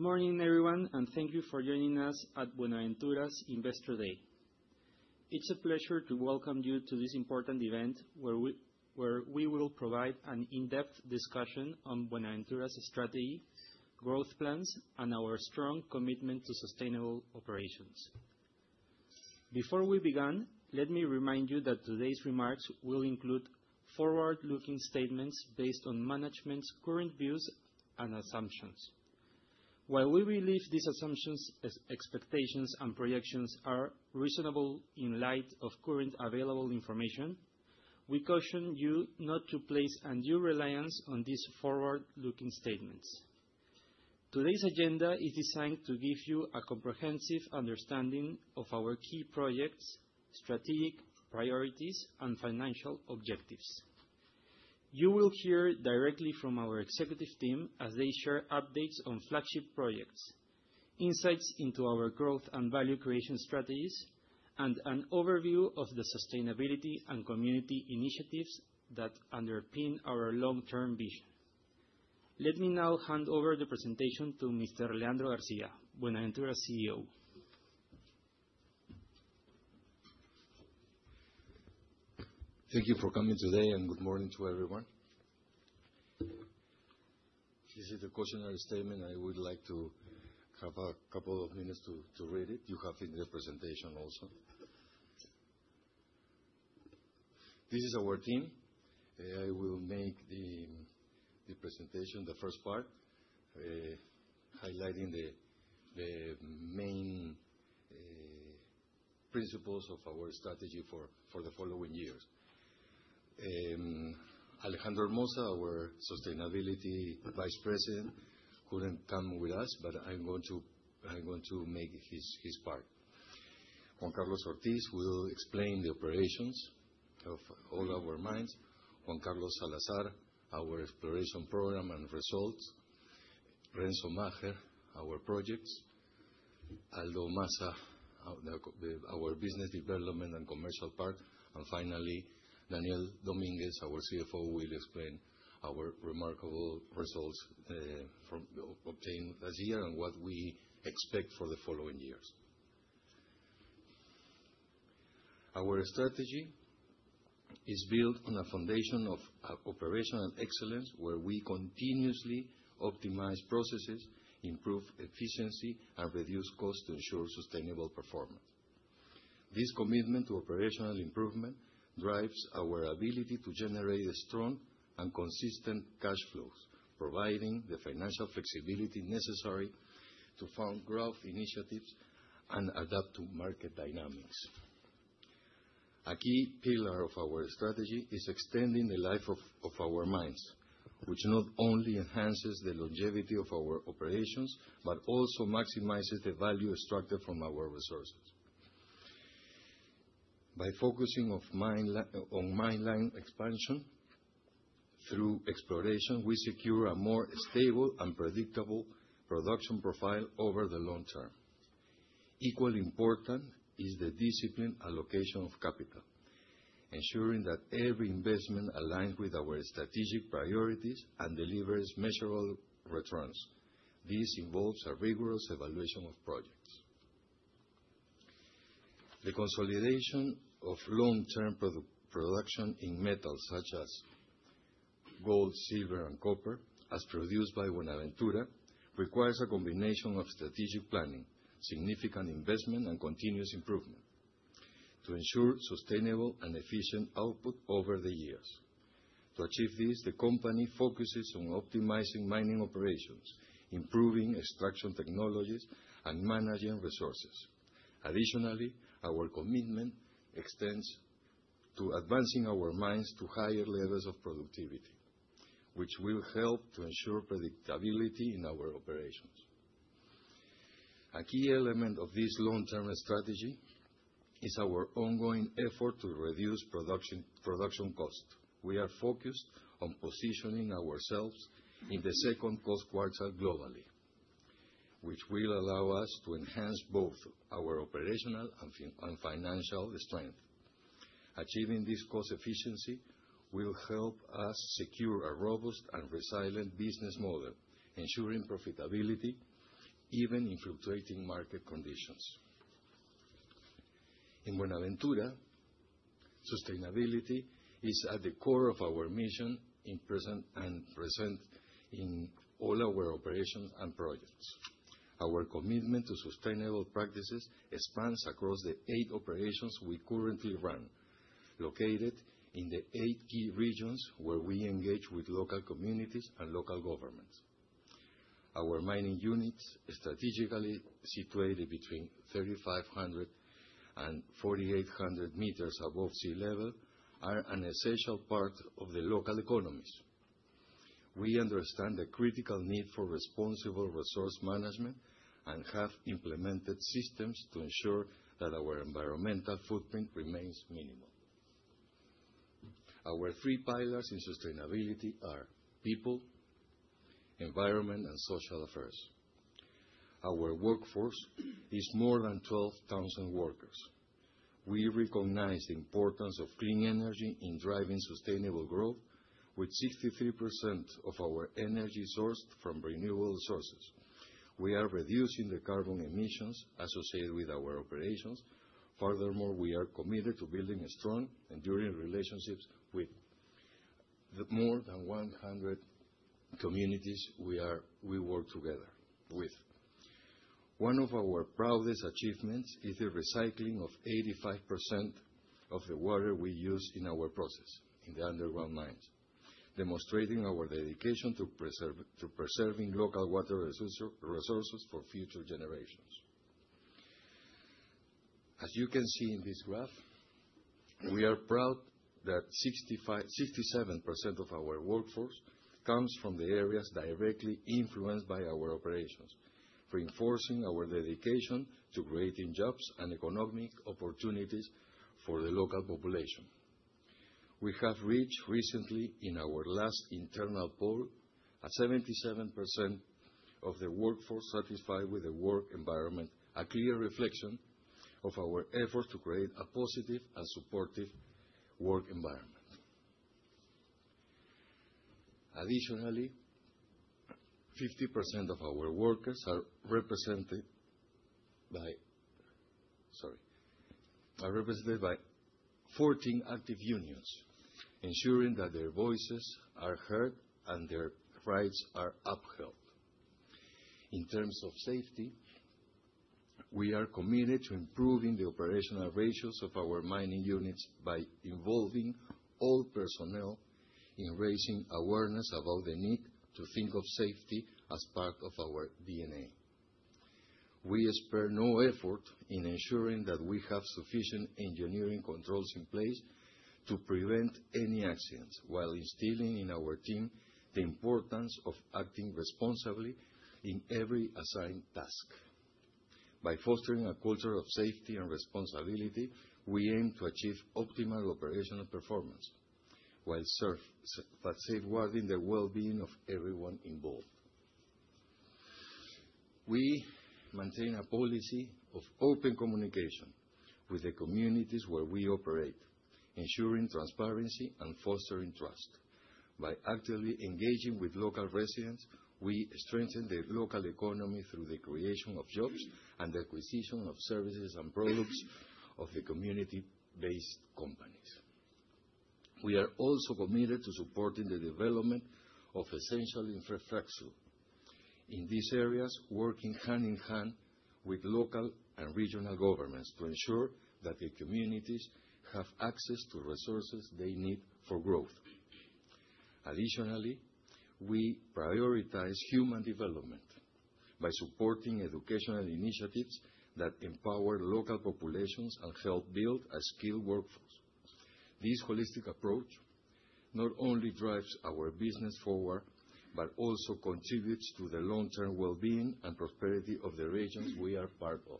Good morning, everyone, and thank you for joining us at Buenaventura's Investor Day. It's a pleasure to welcome you to this important event where we will provide an in-depth discussion on Buenaventura's strategy, growth plans, and our strong commitment to sustainable operations. Before we begin, let me remind you that today's remarks will include forward-looking statements based on management's current views and assumptions. While we believe these assumptions, expectations, and projections are reasonable in light of current available information, we caution you not to place undue reliance on these forward-looking statements. Today's agenda is designed to give you a comprehensive understanding of our key projects, strategic priorities, and financial objectives. You will hear directly from our executive team as they share updates on flagship projects, insights into our growth and value creation strategies, and an overview of the sustainability and community initiatives that underpin our long-term vision. Let me now hand over the presentation to Mr. Leandro García, Buenaventura CEO. Thank you for coming today, and good morning to everyone. This is the cautionary statement. I would like to have a couple of minutes to read it. You have it in the presentation also. This is our team. I will make the presentation, the first part, highlighting the main principles of our strategy for the following years. Alejandro Hermosa, our Sustainability Vice President, couldn't come with us, but I'm going to make his part. Juan Carlos Ortiz will explain the operations of all our mines. Juan Carlos Salazar, our exploration program and results. Renzo Macher, our projects. Aldo Massa, our business development and commercial part. And finally, Daniel Domínguez, our CFO, will explain our remarkable results obtained last year and what we expect for the following years. Our strategy is built on a foundation of operational excellence where we continuously optimize processes, improve efficiency, and reduce costs to ensure sustainable performance. This commitment to operational improvement drives our ability to generate strong and consistent cash flows, providing the financial flexibility necessary to fund growth initiatives and adapt to market dynamics. A key pillar of our strategy is extending the life of our mines, which not only enhances the longevity of our operations but also maximizes the value extracted from our resources. By focusing on mine life extension through exploration, we secure a more stable and predictable production profile over the long term. Equally important is the disciplined allocation of capital, ensuring that every investment aligns with our strategic priorities and delivers measurable returns. This involves a rigorous evaluation of projects. The consolidation of long-term production in metals such as gold, silver, and copper, as produced by Buenaventura, requires a combination of strategic planning, significant investment, and continuous improvement to ensure sustainable and efficient output over the years. To achieve this, the company focuses on optimizing mining operations, improving extraction technologies, and managing resources. Additionally, our commitment extends to advancing our mines to higher levels of productivity, which will help to ensure predictability in our operations. A key element of this long-term strategy is our ongoing effort to reduce production costs. We are focused on positioning ourselves in the second quartile globally, which will allow us to enhance both our operational and financial strength. Achieving this cost efficiency will help us secure a robust and resilient business model, ensuring profitability even in fluctuating market conditions. In Buenaventura, sustainability is at the core of our mission and present in all our operations and projects. Our commitment to sustainable practices spans across the eight operations we currently run, located in the eight key regions where we engage with local communities and local governments. Our mining units, strategically situated between 3,500 and 4,800 m above sea level, are an essential part of the local economies. We understand the critical need for responsible resource management and have implemented systems to ensure that our environmental footprint remains minimal. Our three pillars in sustainability are people, environment, and social affairs. Our workforce is more than 12,000 workers. We recognize the importance of clean energy in driving sustainable growth, with 63% of our energy sourced from renewable sources. We are reducing the carbon emissions associated with our operations. Furthermore, we are committed to building strong, enduring relationships with more than 100 communities we work together with. One of our proudest achievements is the recycling of 85% of the water we use in our process in the underground mines, demonstrating our dedication to preserving local water resources for future generations. As you can see in this graph, we are proud that 67% of our workforce comes from the areas directly influenced by our operations, reinforcing our dedication to creating jobs and economic opportunities for the local population. We have reached recently, in our last internal poll, a 77% of the workforce satisfied with the work environment, a clear reflection of our efforts to create a positive and supportive work environment. Additionally, 50% of our workers are represented by 14 active unions, ensuring that their voices are heard and their rights are upheld. In terms of safety, we are committed to improving the operational ratios of our mining units by involving all personnel in raising awareness about the need to think of safety as part of our DNA. We spare no effort in ensuring that we have sufficient engineering controls in place to prevent any accidents while instilling in our team the importance of acting responsibly in every assigned task. By fostering a culture of safety and responsibility, we aim to achieve optimal operational performance while safeguarding the well-being of everyone involved. We maintain a policy of open communication with the communities where we operate, ensuring transparency and fostering trust. By actively engaging with local residents, we strengthen the local economy through the creation of jobs and the acquisition of services and products of the community-based companies. We are also committed to supporting the development of essential infrastructure in these areas, working hand in hand with local and regional governments to ensure that the communities have access to resources they need for growth. Additionally, we prioritize human development by supporting educational initiatives that empower local populations and help build a skilled workforce. This holistic approach not only drives our business forward but also contributes to the long-term well-being and prosperity of the regions we are part of.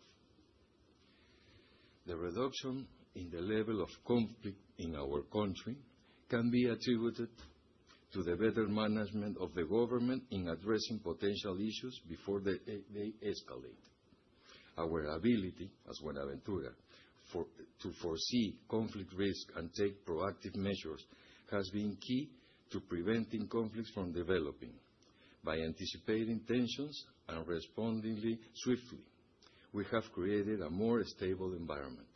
The reduction in the level of conflict in our country can be attributed to the better management of the government in addressing potential issues before they escalate. Our ability as Buenaventura to foresee conflict risk and take proactive measures has been key to preventing conflicts from developing. By anticipating tensions and responding swiftly, we have created a more stable environment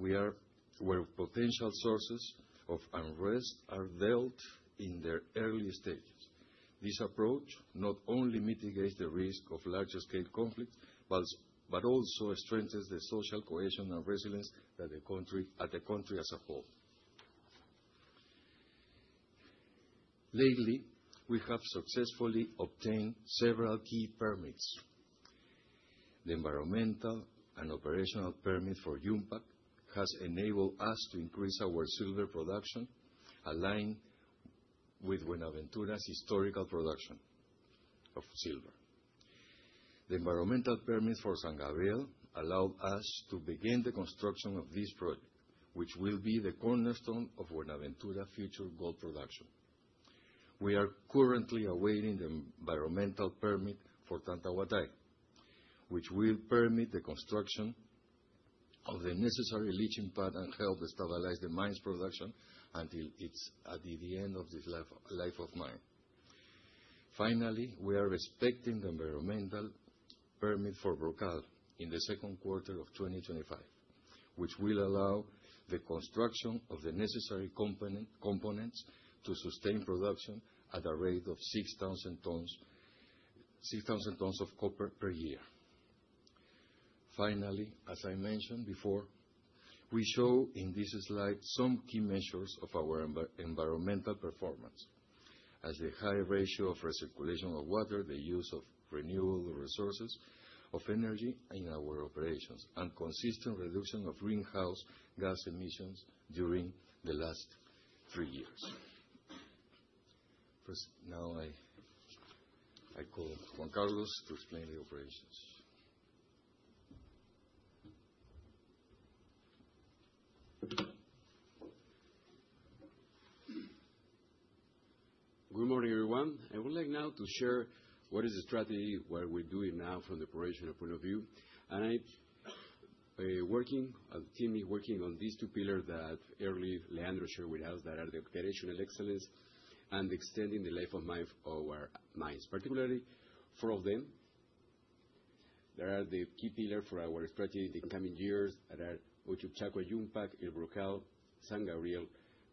where potential sources of unrest are dealt in their earliest stages. This approach not only mitigates the risk of larger-scale conflicts but also strengthens the social cohesion and resilience at the country as a whole. Lately, we have successfully obtained several key permits. The environmental and operational permit for Yumpag has enabled us to increase our silver production, aligned with Buenaventura's historical production of silver. The environmental permit for San Gabriel allowed us to begin the construction of this project, which will be the cornerstone of Buenaventura's future gold production. We are currently awaiting the environmental permit for Tantahuatay, which will permit the construction of the necessary leach pad and help stabilize the mine's production until it's at the end of the life of mine. Finally, we are expecting the environmental permit for El Brocal in the Q2 of 2025, which will allow the construction of the necessary components to sustain production at a rate of 6,000 tons of copper per year. Finally, as I mentioned before, we show in this slide some key measures of our environmental performance, as the high ratio of recirculation of water, the use of renewable resources of energy in our operations, and consistent reduction of greenhouse gas emissions during the last three years. Now, I call Juan Carlos to explain the operations. Good morning, everyone. I would like now to share what is the strategy, what we're doing now from the operational point of view. I'm working as a team working on these two pillars that early Leandro shared with us that are the operational excellence and extending the life of mines, particularly four of them. There are the key pillars for our strategy in the coming years that are Uchucchacua, Yumpag, El Brocal, San Gabriel,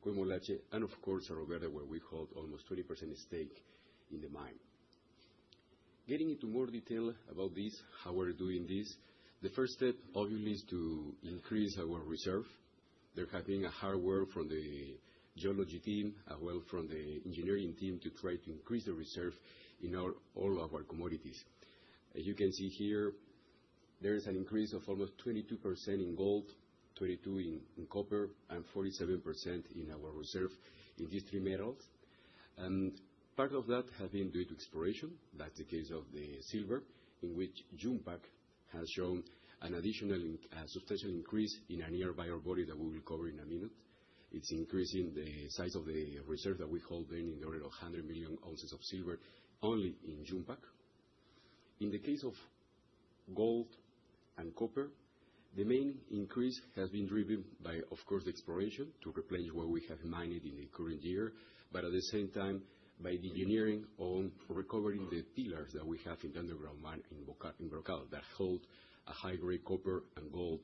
Coimolache, and of course, Cerro Verde, where we hold almost 20% stake in the mine. Getting into more detail about this, how we're doing this, the first step, obviously, is to increase our reserve. There has been hard work from the geology team, as well from the engineering team, to try to increase the reserve in all of our commodities. As you can see here, there is an increase of almost 22% in gold, 22% in copper, and 47% in our reserve in these three metals. Part of that has been due to exploration. That's the case of the silver, in which Yumpag has shown an additional substantial increase in a nearby ore body that we will cover in a minute. It's increasing the size of the reserve that we hold in the order of 100 million ounces of silver only in Yumpag. In the case of gold and copper, the main increase has been driven by, of course, the exploration to replenish what we have mined in the current year, but at the same time by the engineering on recovering the pillars that we have in the underground mine in Brocal that hold high-grade copper and gold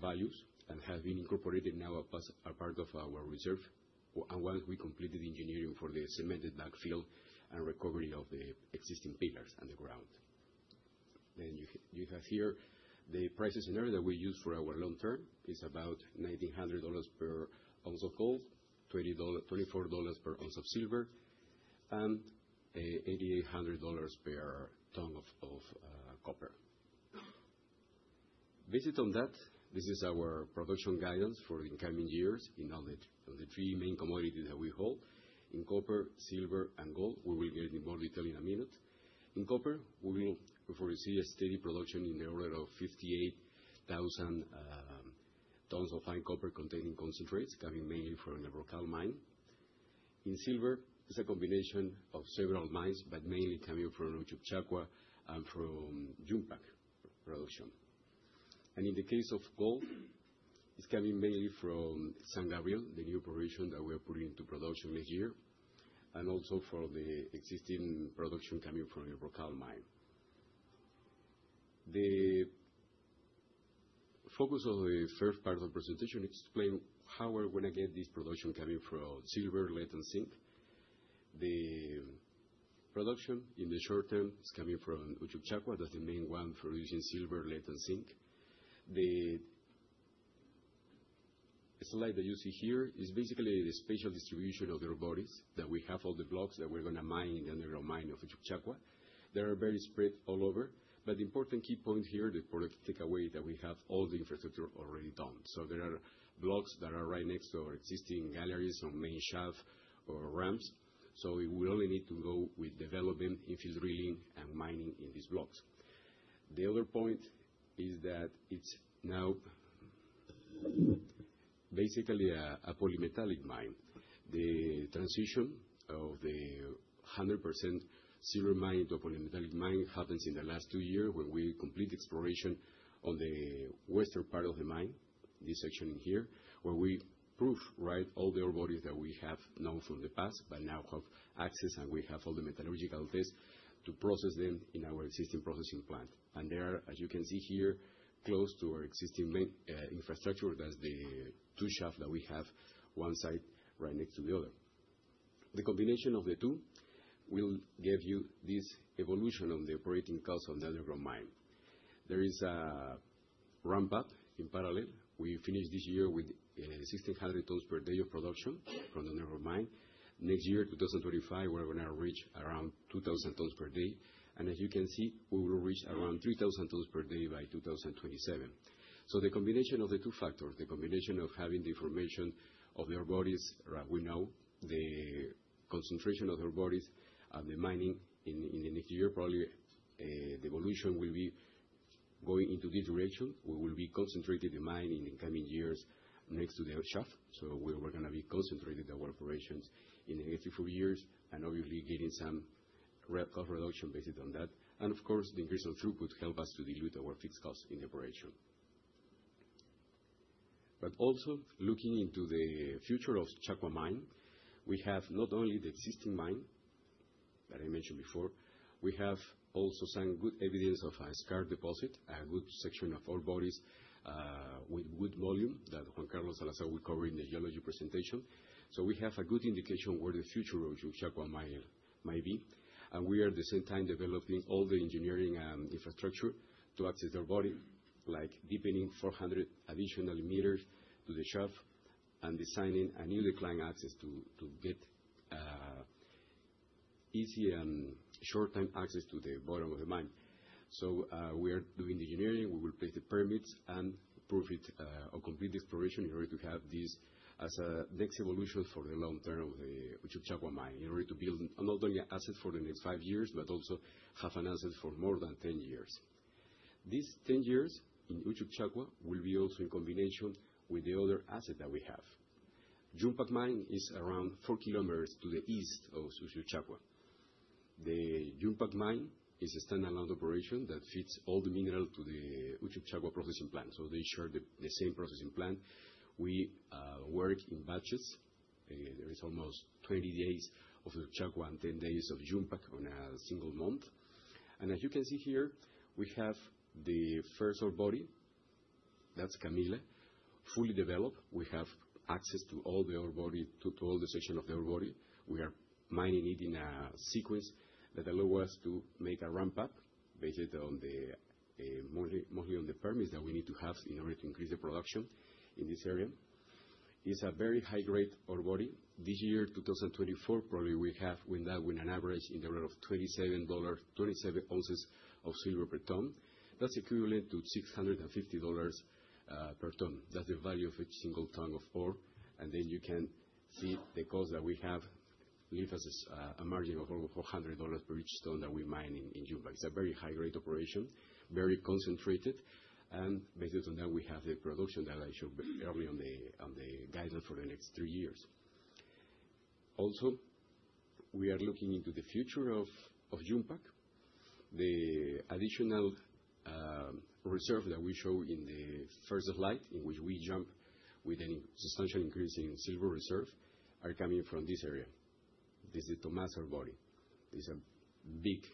values and have been incorporated now as part of our reserve, and once we completed the engineering for the cemented backfill and recovery of the existing pillars underground, then you have here the prices and areas that we use for our long-term. It's about $1,900 per ounce of gold, $24 per ounce of silver, and $8,800 per ton of copper. Based on that, this is our production guidance for the incoming years in the three main commodities that we hold: in copper, silver, and gold. We will get into more detail in a minute. In copper, we will foresee a steady production in the order of 58,000 tons of fine copper-containing concentrates coming mainly from the El Brocal mine. In silver, it's a combination of several mines, but mainly coming from Uchucchacua and from Yumpag production. In the case of gold, it's coming mainly from San Gabriel, the new operation that we are putting into production next year, and also for the existing production coming from the El Brocal mine. The focus of the first part of the presentation is to explain how we're going to get this production coming from silver, lead, and zinc. The production in the short term is coming from Uchucchacua. That's the main one producing silver, lead, and zinc. The slide that you see here is basically the spatial distribution of the ore bodies that we have, all the blocks that we're going to mine in the underground mine of Uchucchacua. They are very spread all over. But the important key point here, the practical takeaway, is that we have all the infrastructure already done. So there are blocks that are right next to our existing galleries on main levels or ramps. So we will only need to go with development, infill, and mining in these blocks. The other point is that it's now basically a polymetallic mine. The transition of the 100% silver mine into a polymetallic mine happens in the last two years when we complete exploration on the western part of the mine, this section in here, where we proved all the ore bodies that we have known from the past, but now have access and we have all the metallurgical tests to process them in our existing processing plant, and they are, as you can see here, close to our existing infrastructure. That's the two shafts that we have, one side right next to the other. The combination of the two will give you this evolution of the operating costs of the underground mine. There is a ramp-up in parallel. We finished this year with 1,600 tons per day of production from the underground mine. Next year, 2025, we're going to reach around 2,000 tons per day. As you can see, we will reach around 3,000 tons per day by 2027. The combination of the two factors, the combination of having the information of the ore bodies, we know the concentration of the ore bodies and the mining in the next year, probably the evolution will be going into this direction. We will be concentrating the mine in the coming years next to the shaft. We're going to be concentrating our operations in the next three or four years and obviously getting some cost reduction based on that. Of course, the increase of throughput helps us to dilute our fixed costs in the operation. Also looking into the future of Uchucchacua mine, we have not only the existing mine that I mentioned before. We have also some good evidence of a skarn deposit, a good section of ore bodies with good volume that Juan Carlos Salazar will cover in the geology presentation. So we have a good indication of where the future of Uchucchacua mine might be. And we are at the same time developing all the engineering and infrastructure to access the ore body, like deepening 400 additional meters to the shaft and designing a new decline access to get easy and short-term access to the bottom of the mine. So we are doing the engineering. We will place the permits and prove it or complete the exploration in order to have this as a next evolution for the long term of the Uchucchacua mine in order to build not only assets for the next five years, but also have an asset for more than 10 years. These 10 years in Uchucchacua will be also in combination with the other assets that we have. Yumpag mine is around four km to the east of Uchucchacua. The Yumpag mine is a standalone operation that feeds all the minerals to the Uchucchacua processing plant, so they share the same processing plant. We work in batches. There is almost 20 days of Uchucchacua and 10 days of Yumpag on a single month, and as you can see here, we have the first ore body. That's Camila, fully developed. We have access to all the ore body, to all the sections of the ore body. We are mining it in a sequence that allows us to make a ramp-up, basically mostly on the permits that we need to have in order to increase the production in this area. It's a very high-grade ore body. This year, 2024, probably we have with that, with an average in the order of 27 ounces of silver per ton. That's equivalent to $650 per ton. That's the value of each single ton of ore. And then you can see the cost that we have, leaves us a margin of over $400 per each ton that we mine in Yumpag. It's a very high-grade operation, very concentrated. And based on that, we have the production that I showed earlier on the guidance for the next three years. Also, we are looking into the future of Yumpag. The additional reserve that we show in the first slide, in which we jump with a substantial increase in silver reserve, is coming from this area. This is the Tomasa ore body. It's a big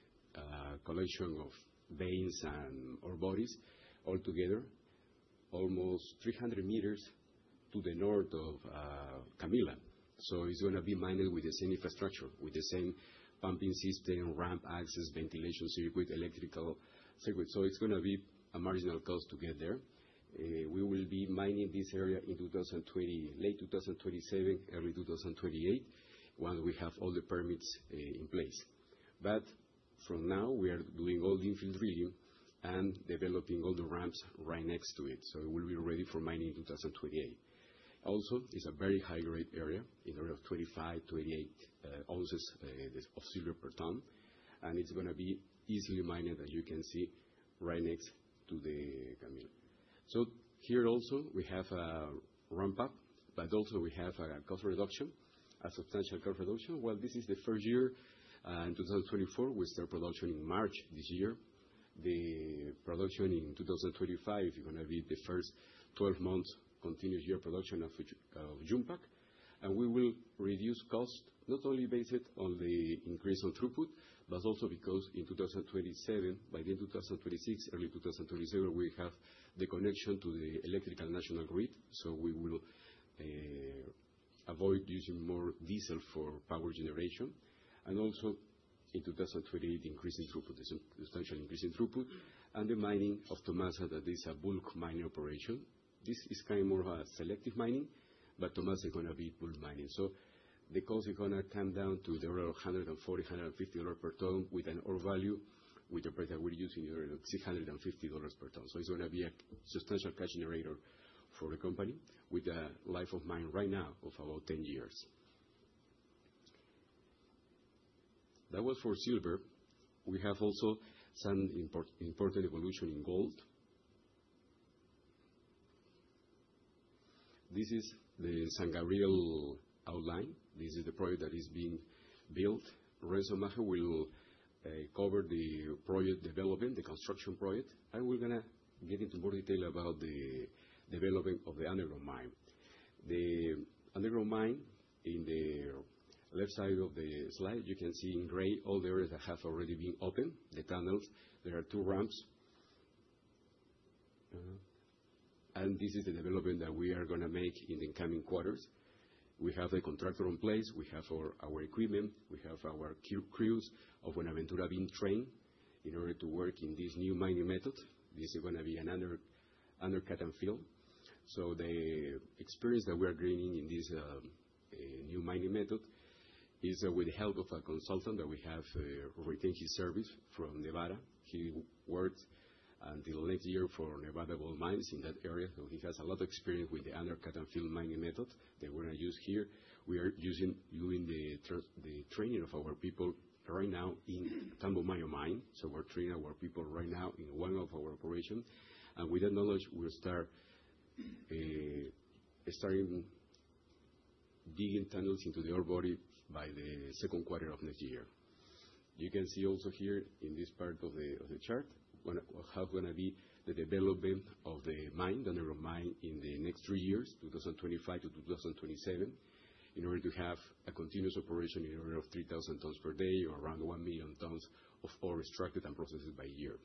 collection of veins and ore bodies altogether, almost 300 m to the north of Camila. So it's going to be mined with the same infrastructure, with the same pumping system, ramp access, ventilation circuit, electrical circuit. So it's going to be a marginal cost to get there. We will be mining this area in late 2027, early 2028, once we have all the permits in place. But from now, we are doing all the infill drilling and developing all the ramps right next to it. So it will be ready for mining in 2028. Also, it's a very high-grade area in the order of 25-88 ounces of silver per ton. And it's going to be easily mined, as you can see, right next to the Camila. So here also, we have a ramp-up, but also we have a cost reduction, a substantial cost reduction. Well, this is the first year in 2024. We start production in March this year. The production in 2025 is going to be the first 12-month continuous year production of Yumpag. And we will reduce cost not only based on the increase in throughput, but also because in 2027, by the end of 2026, early 2027, we have the connection to the electrical national grid. So we will avoid using more diesel for power generation. And also, in 2028, increasing throughput, substantial increase in throughput. And the mining of Tomasa, that is a bulk mining operation. This is kind of more of a selective mining, but Tomasa is going to be bulk mining. So the cost is going to come down to the order of $140-$150 per ton with an ore value, with the price that we're using in the order of $650 per ton. So it's going to be a substantial cash generator for the company with a life of mine right now of about 10 years. That was for silver. We have also some important evolution in gold. This is the San Gabriel outline. This is the project that is being built. Renzo Macher will cover the project development, the construction project. And we're going to get into more detail about the development of the underground mine. The underground mine in the left side of the slide, you can see in gray all the areas that have already been opened, the tunnels. There are two ramps. And this is the development that we are going to make in the coming quarters. We have the contractor in place. We have our equipment. We have our crews of Buenaventura being trained in order to work in this new mining method. This is going to be an undercut and fill. So the experience that we are gaining in this new mining method is with the help of a consultant that we have retained his services from Nevada. He worked until next year for Nevada Gold Mines in that area. So he has a lot of experience with the undercut and fill mining method that we're going to use here. We are doing the training of our people right now in Tambomayo mine. So we're training our people right now in one of our operations. And with that knowledge, we'll start digging tunnels into the ore body by the Q2 of next year. You can see also here in this part of the chart how it's going to be the development of the mine, the underground mine in the next three years, 2025 to 2027, in order to have a continuous operation in order of 3,000 tons per day or around 1 million tons of ore extracted and processed by year.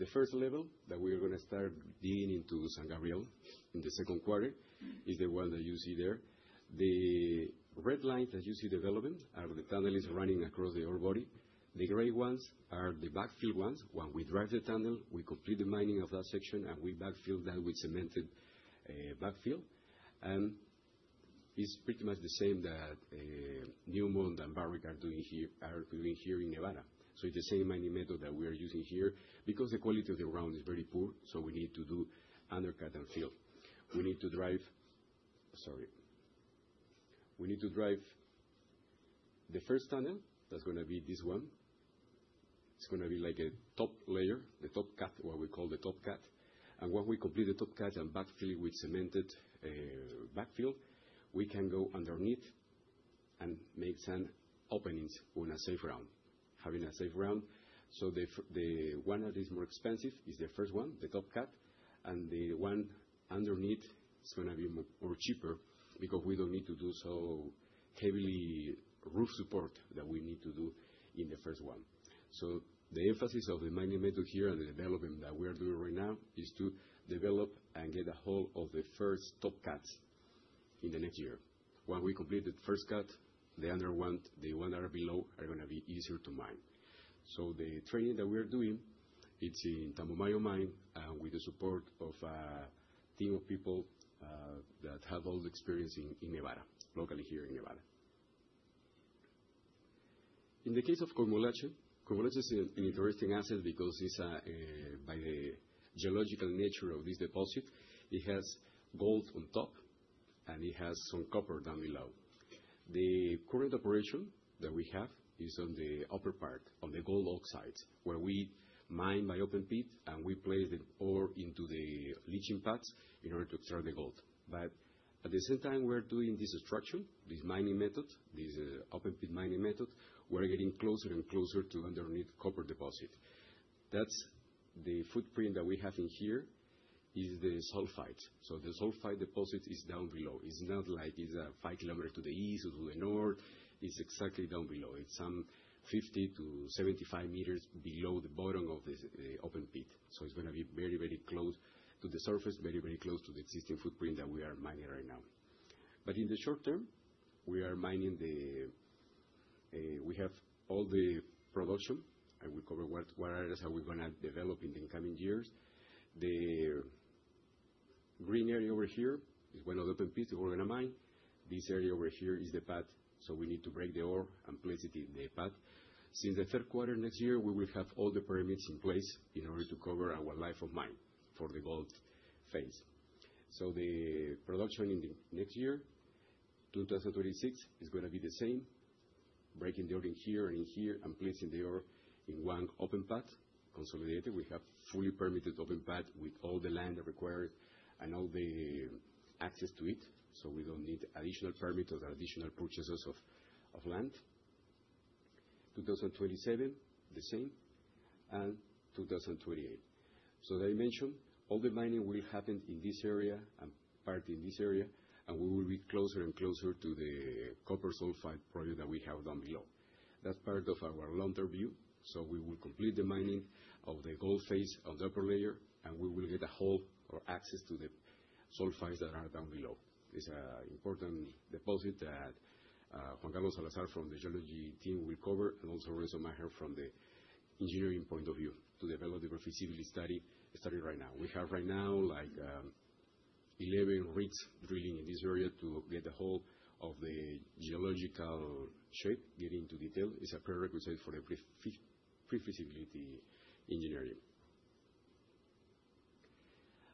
The first level that we are going to start digging into San Gabriel in the Q2 is the one that you see there. The red lines that you see developing are the tunnels running across the ore body. The gray ones are the backfill ones. When we drive the tunnel, we complete the mining of that section and we backfill that with cemented backfill, and it's pretty much the same that Newmont and Barrick are doing here in Nevada. It's the same mining method that we are using here because the quality of the ground is very poor. We need to do undercut and fill. We need to drive the first tunnel. That's going to be this one. It's going to be like a top layer, the top cut, what we call the top cut. And once we complete the top cut and backfill it with cemented backfill, we can go underneath and make some openings on safer ground, having safer ground. The one that is more expensive is the first one, the top cut. And the one underneath is going to be more cheaper because we don't need to do so heavily roof support that we need to do in the first one. So the emphasis of the mining method here and the development that we are doing right now is to develop and get a hold of the first top cuts in the next year. Once we complete the first cut, the one that are below are going to be easier to mine. So the training that we are doing, it's in Tambomayo mine with the support of a team of people that have all the experience in Nevada, locally here in Nevada. In the case of Coimolache, Coimolache is an interesting asset because by the geological nature of this deposit, it has gold on top and it has some copper down below. The current operation that we have is on the upper part, on the gold oxides, where we mine by open pit and we place the ore into the leach pads in order to extract the gold. But at the same time, we're doing this extraction, this mining method, this open pit mining method, we're getting closer and closer to underneath copper deposit. That's the footprint that we have in here is the sulfide. So the sulfide deposit is down below. It's not like it's five km to the east or to the north. It's exactly down below. It's some 50-75 m below the bottom of the open pit. So it's going to be very, very close to the surface, very, very close to the existing footprint that we are mining right now. But in the short term, we are mining. We have all the production. And we cover what areas are we going to develop in the coming years. The green area over here is one of the open pits that we're going to mine. This area over here is the path. We need to break the ore and place it in the pit. Since the Q2 next year, we will have all the permits in place in order to cover our life of mine for the gold phase. The production in the next year, 2026, is going to be the same, breaking the ore in here and in here and placing the ore in one open pit, consolidated. We have fully permitted open pit with all the land that requires and all the access to it. We don't need additional permits or additional purchases of land. 2027, the same, and 2028. As I mentioned, all the mining will happen in this area and part in this area. We will be closer and closer to the copper sulfide project that we have down below. That's part of our long-term view. So we will complete the mining of the gold phase on the upper layer, and we will get a hold or access to the sulfides that are down below. It's an important deposit that Juan Carlos Salazar from the geology team will cover and also Renzo Macher from the engineering point of view to develop the profitability study starting right now. We have right now like 11 rigs drilling in this area to get the hold of the geological shape, getting into detail. It's a prerequisite for the pre-feasibility engineering,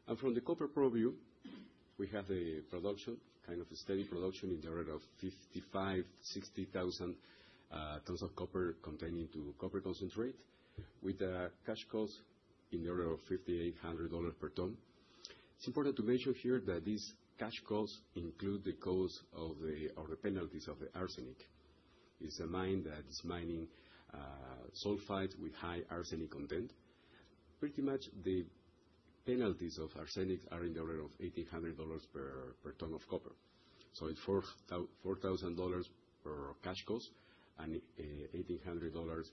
and from the copper purview, we have the production, kind of a steady production in the order of 55,000-60,000 tons of copper containing to copper concentrate with a cash cost in the order of $5,800 per ton. It's important to mention here that these cash costs include the cost of the penalties of the arsenic. It's a mine that is mining sulfides with high arsenic content. Pretty much the penalties of arsenic are in the order of $1,800 per ton of copper. So it's $4,000 per cash cost and $1,800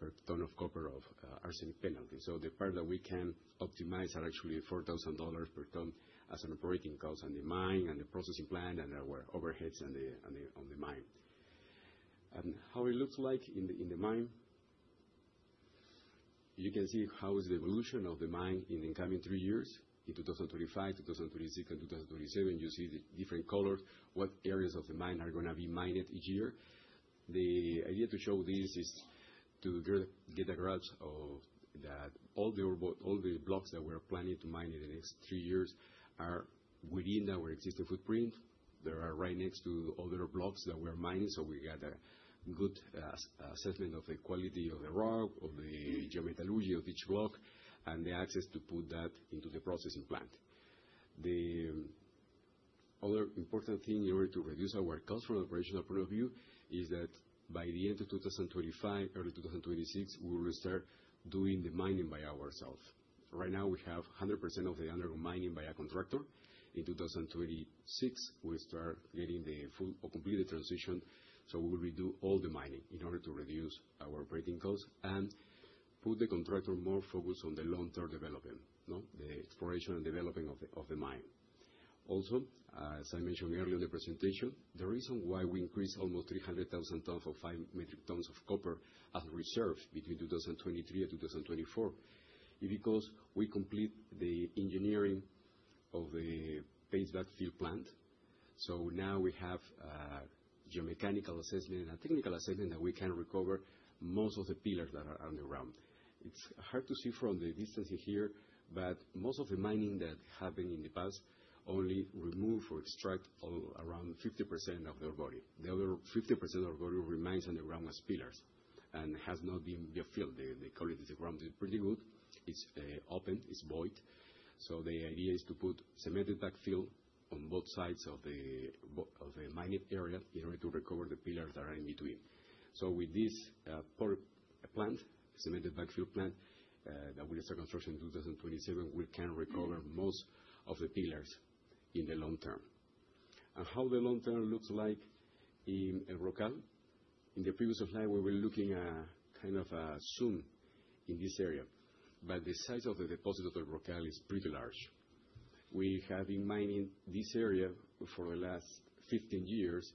per ton of copper of arsenic penalties. So the part that we can optimize are actually $4,000 per ton as an operating cost and the mine and the processing plant and our overheads on the mine. And how it looks like in the mine, you can see how is the evolution of the mine in the coming three years. In 2025, 2026, and 2027, you see the different colors, what areas of the mine are going to be mined each year. The idea to show this is to get a grasp of that all the blocks that we are planning to mine in the next three years are within our existing footprint. They are right next to other blocks that we are mining. So we get a good assessment of the quality of the rock, of the geometallurgy of each block, and the access to put that into the processing plant. The other important thing in order to reduce our cost from an operational point of view is that by the end of 2025, early 2026, we will start doing the mining by ourselves. Right now, we have 100% of the underground mining by a contractor. In 2026, we'll start getting the full or complete transition. So we will redo all the mining in order to reduce our operating costs and put the contractor more focused on the long-term development, the exploration and developing of the mine. Also, as I mentioned earlier in the presentation, the reason why we increased almost 300,000 tons of 5 metric tons of copper as a reserve between 2023 and 2024 is because we complete the engineering of the backfill plant. So now we have a geomechanical assessment and a technical assessment that we can recover most of the pillars that are underground. It's hard to see from the distance here, but most of the mining that happened in the past only removed or extracted around 50% of the ore body. The other 50% of the ore body remains underground as pillars and has not been buttressed. They call it the ground. It's pretty good. It's open. It's void. So the idea is to put cemented backfill on both sides of the mining area in order to recover the pillars that are in between. So with this plant. Cemented backfill plant that we start construction in 2027, we can recover most of the pillars in the long term, and how the long term looks like in El Brocal. In the previous slide, we were looking at kind of a zone in this area, but the size of the deposit of El Brocal is pretty large. We have been mining this area for the last 15 years.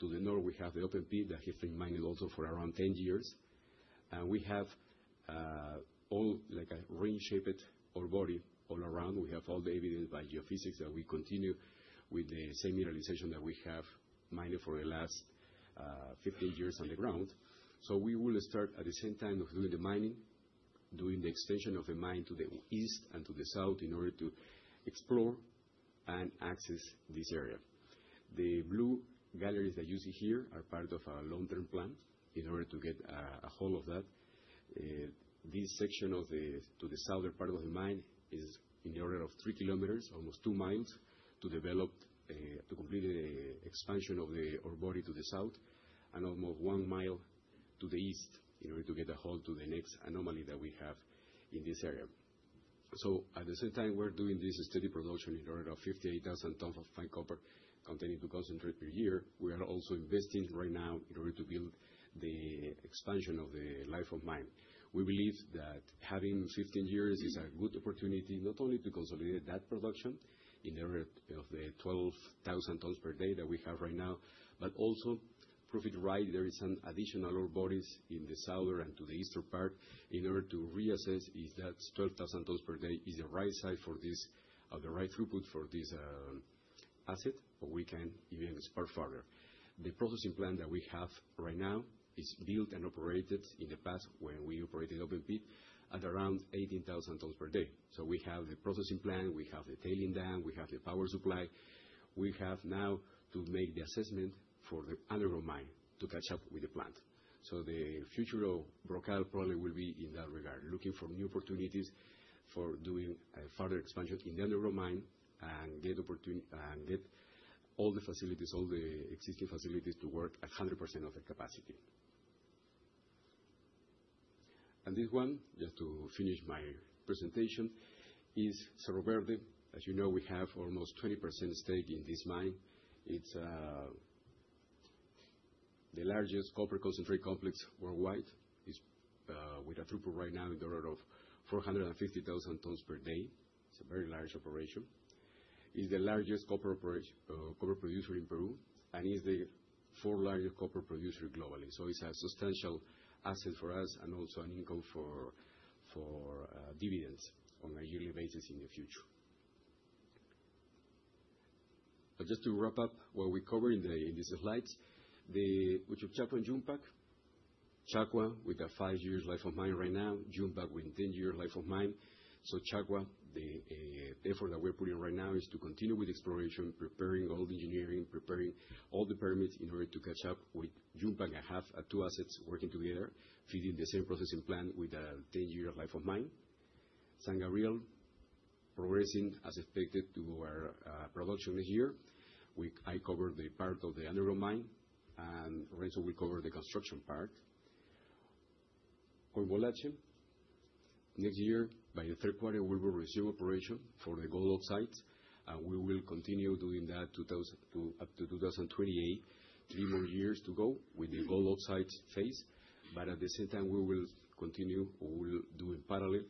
To the north, we have the open pit that has been mined also for around 10 years, and we have all like a ring-shaped ore body all around. We have all the evidence by geophysics that we continue with the same mineralization that we have mined for the last 15 years on the ground. So we will start at the same time of doing the mining, doing the extension of the mine to the east and to the south in order to explore and access this area. The blue galleries that you see here are part of our long-term plan in order to get a hold of that. This section of the to the southern part of the mine is in the order of three km, almost two miles to develop to complete the expansion of the ore body to the south and almost one mile to the east in order to get a hold to the next anomaly that we have in this area. So at the same time, we're doing this steady production in order of 58,000 tons of fine copper contained in concentrate per year. We are also investing right now in order to build the expansion of the life of mine. We believe that having 15 years is a good opportunity not only to consolidate that production in the order of the 12,000 tons per day that we have right now, but also prove it right. There are some additional ore bodies in the southern and to the eastern part in order to reassess if that 12,000 tons per day is the right size for this or the right throughput for this asset, or we can even spur further. The processing plant that we have right now is built and operated in the past when we operated open pit at around 18,000 tons per day. So we have the processing plant. We have the tailings dam. We have the power supply. We have now to make the assessment for the underground mine to catch up with the plant. So the future of El Brocal probably will be in that regard, looking for new opportunities for doing a further expansion in the underground mine and get all the facilities, all the existing facilities to work at 100% of their capacity. And this one, just to finish my presentation, is Cerro Verde. As you know, we have almost 20% stake in this mine. It's the largest copper concentrate complex worldwide. It's with a throughput right now in the order of 450,000 tons per day. It's a very large operation. It's the largest copper producer in Peru and is the fourth largest copper producer globally. So it's a substantial asset for us and also an income for dividends on a yearly basis in the future. But just to wrap up what we cover in these slides, which are Uchucchacua and Yumpag. Uchucchacua with a 5-year life of mine right now. Yumpag with a 10-year life of mine. So Uchucchacua, the effort that we're putting right now is to continue with exploration, preparing all the engineering, preparing all the permits in order to catch up with Yumpag and have two assets working together, feeding the same processing plant with a 10-year life of mine. San Gabriel, progressing as expected to our production this year. I covered the part of the underground mine, and Renzo will cover the construction part. Coimolache, next year, by the Q3, we will resume operation for the gold oxides. And we will continue doing that up to 2028, three more years to go with the gold oxides phase. But at the same time, we will continue or we will do in parallel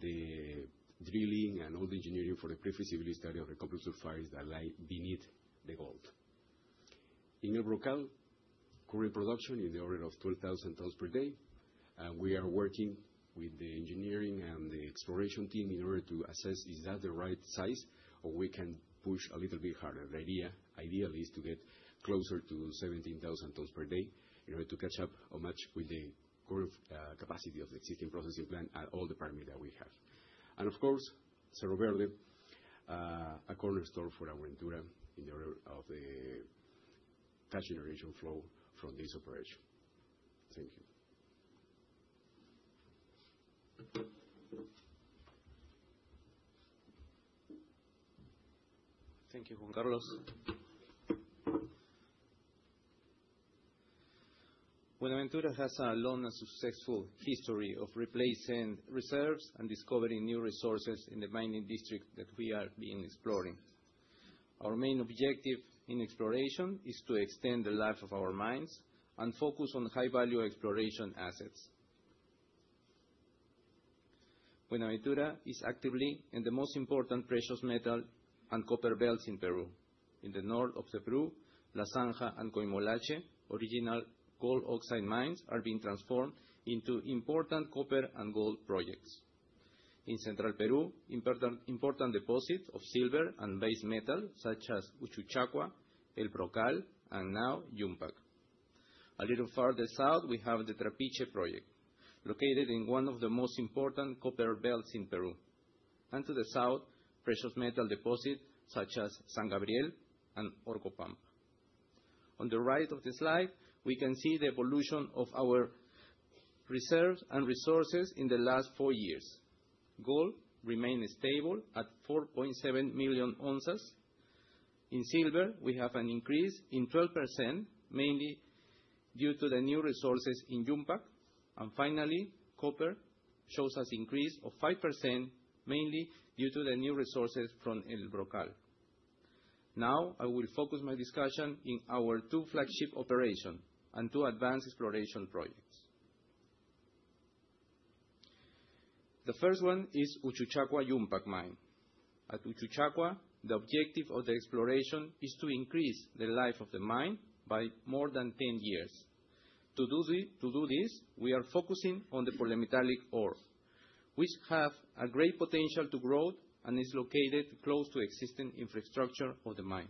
the drilling and all the engineering for the pre-feasibility study of the copper sulfides that lie beneath the gold. In El Brocal, current production in the order of 12,000 tons per day. And we are working with the engineering and the exploration team in order to assess, is that the right size or we can push a little bit harder. The ideal is to get closer to 17,000 tons per day in order to catch up or match with the current capacity of the existing processing plant at all the parameters that we have. And of course, Cerro Verde, a cornerstone for Buenaventura in terms of the cash flow generation from this operation. Thank you. Thank you, Juan Carlos. Buenaventura has a long and successful history of replacing reserves and discovering new resources in the mining district that we are being exploring. Our main objective in exploration is to extend the life of our mines and focus on high-value exploration assets. Buenaventura is actively in the most important precious metal and copper belts in Peru. In the north of the Peru, La Zanja and Coimolache, original gold oxide mines are being transformed into important copper and gold projects. In central Peru, important deposits of silver and base metal such as Uchucchacua, El Brocal, and now Yumpag. A little farther south, we have the Trapiche project, located in one of the most important copper belts in Peru. And to the south, precious metal deposits such as San Gabriel and Orcopampa. On the right of the slide, we can see the evolution of our reserves and resources in the last four years. Gold remained stable at 4.7 million ounces. In silver, we have an increase in 12%, mainly due to the new resources in Yumpag. And finally, copper shows us an increase of 5%, mainly due to the new resources from El Brocal. Now, I will focus my discussion in our two flagship operations and two advanced exploration projects. The first one is Uchucchacua Yumpag mine. At Uchucchacua, the objective of the exploration is to increase the life of the mine by more than 10 years. To do this, we are focusing on the polymetallic ore, which has a great potential to grow and is located close to existing infrastructure of the mine.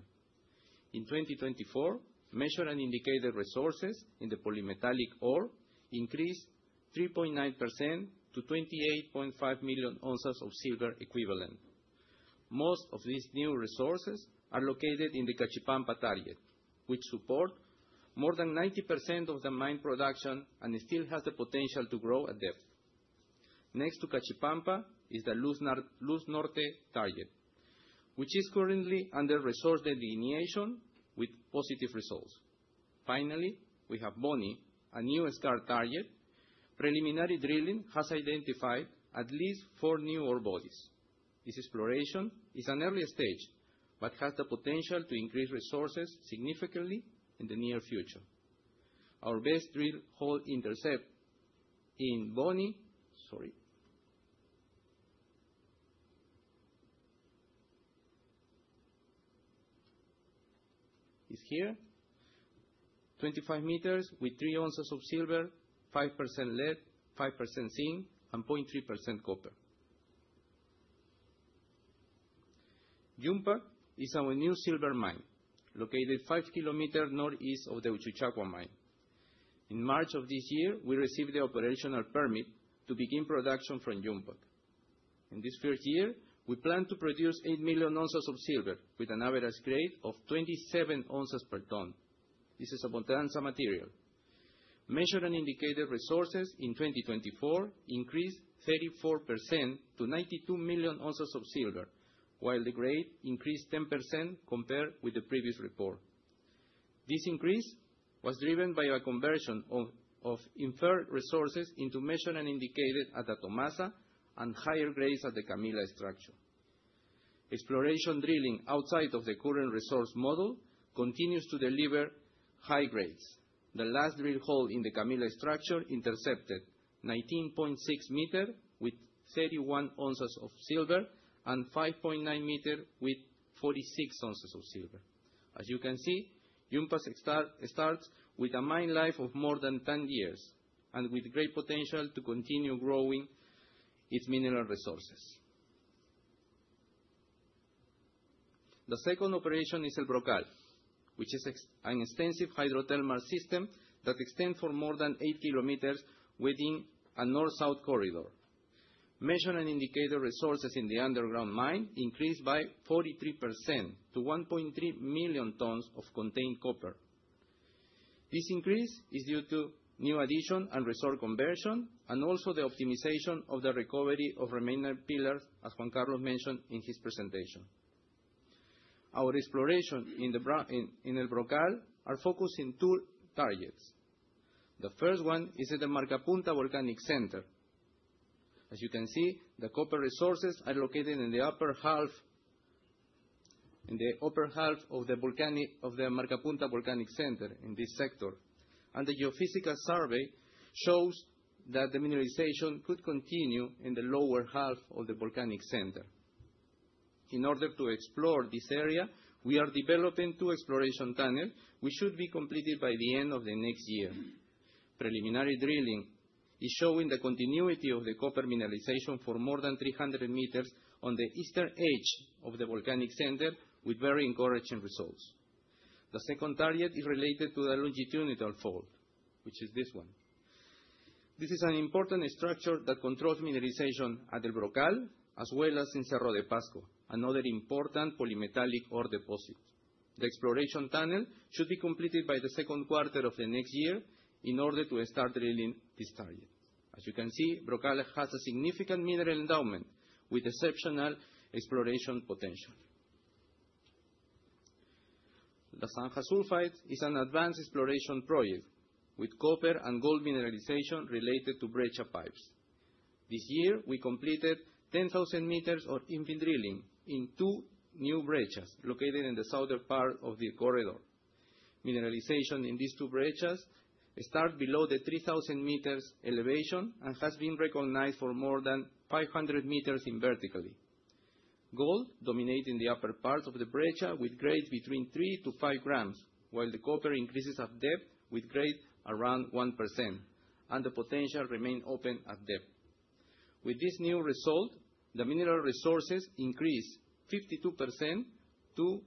In 2024, Measured and Indicated Resources in the polymetallic ore increased 3.9% to 28.5 million ounces of silver equivalent. Most of these new resources are located in the Cachipampa target, which supports more than 90% of the mine production and still has the potential to grow a depth. Next to Cachipampa is the Luz Norte target, which is currently under resource delineation with positive results. Finally, we have Vianny, a new STAR target. Preliminary drilling has identified at least four new ore bodies. This exploration is an early stage but has the potential to increase resources significantly in the near future. Our best drill hole intercept in Vianny is here, 25 m with three ounces of silver, 5% lead, 5% zinc, and 0.3% copper. Yumpag is our new silver mine located five km northeast of the Uchucchacua mine. In March of this year, we received the operational permit to begin production from Yumpag. In this first year, we plan to produce eight million ounces of silver with an average grade of 27 ounces per ton. This is a potential material. Measured and Indicated Resources in 2024 increased 34% to 92 million ounces of silver, while the grade increased 10% compared with the previous report. This increase was driven by a conversion of inferred resources into measured and indicated at the Tomasa and higher grades at the Camila structure. Exploration drilling outside of the current resource model continues to deliver high grades. The last drill hole in the Camila structure intercepted 19.6 m with 31 ounces of silver and 5.9 m with 46 ounces of silver. As you can see, Yumpag starts with a mine life of more than 10 years and with great potential to continue growing its mineral resources. The second operation is El Brocal, which is an extensive hydrothermal system that extends for more than eight km within a north-south corridor. Measured and Indicated Resources in the underground mine increased by 43% to 1.3 million tons of contained copper. This increase is due to new addition and resource conversion and also the optimization of the recovery of remaining pillars, as Juan Carlos mentioned in his presentation. Our exploration in El Brocal is focused on two targets. The first one is at the Marcapunta Volcanic Center. As you can see, the copper resources are located in the upper half of the Marcapunta Volcanic Center in this sector. The geophysical survey shows that the mineralization could continue in the lower half of the volcanic center. In order to explore this area, we are developing two exploration tunnels which should be completed by the end of the next year. Preliminary drilling is showing the continuity of the copper mineralization for more than 300 m on the eastern edge of the volcanic center with very encouraging results. The second target is related to the longitudinal fault, which is this one. This is an important structure that controls mineralization at El Brocal as well as in Cerro de Pasco, another important polymetallic ore deposit. The exploration tunnel should be completed by the Q of the next year in order to start drilling this target. As you can see, Brocal has a significant mineral endowment with exceptional exploration potential. La Zanja Sulfide is an advanced exploration project with copper and gold mineralization related to breccia pipes. This year, we completed 10,000 m of infill drilling in two new breccias located in the southern part of the corridor. Mineralization in these two breccias starts below the 3,000 m elevation and has been recognized for more than 500 m vertically. Gold dominates in the upper part of the breccia with grades between 3 to 5 grams, while the copper increases at depth with grade around 1%, and the potential remains open at depth. With this new result, the mineral resources increased 52% to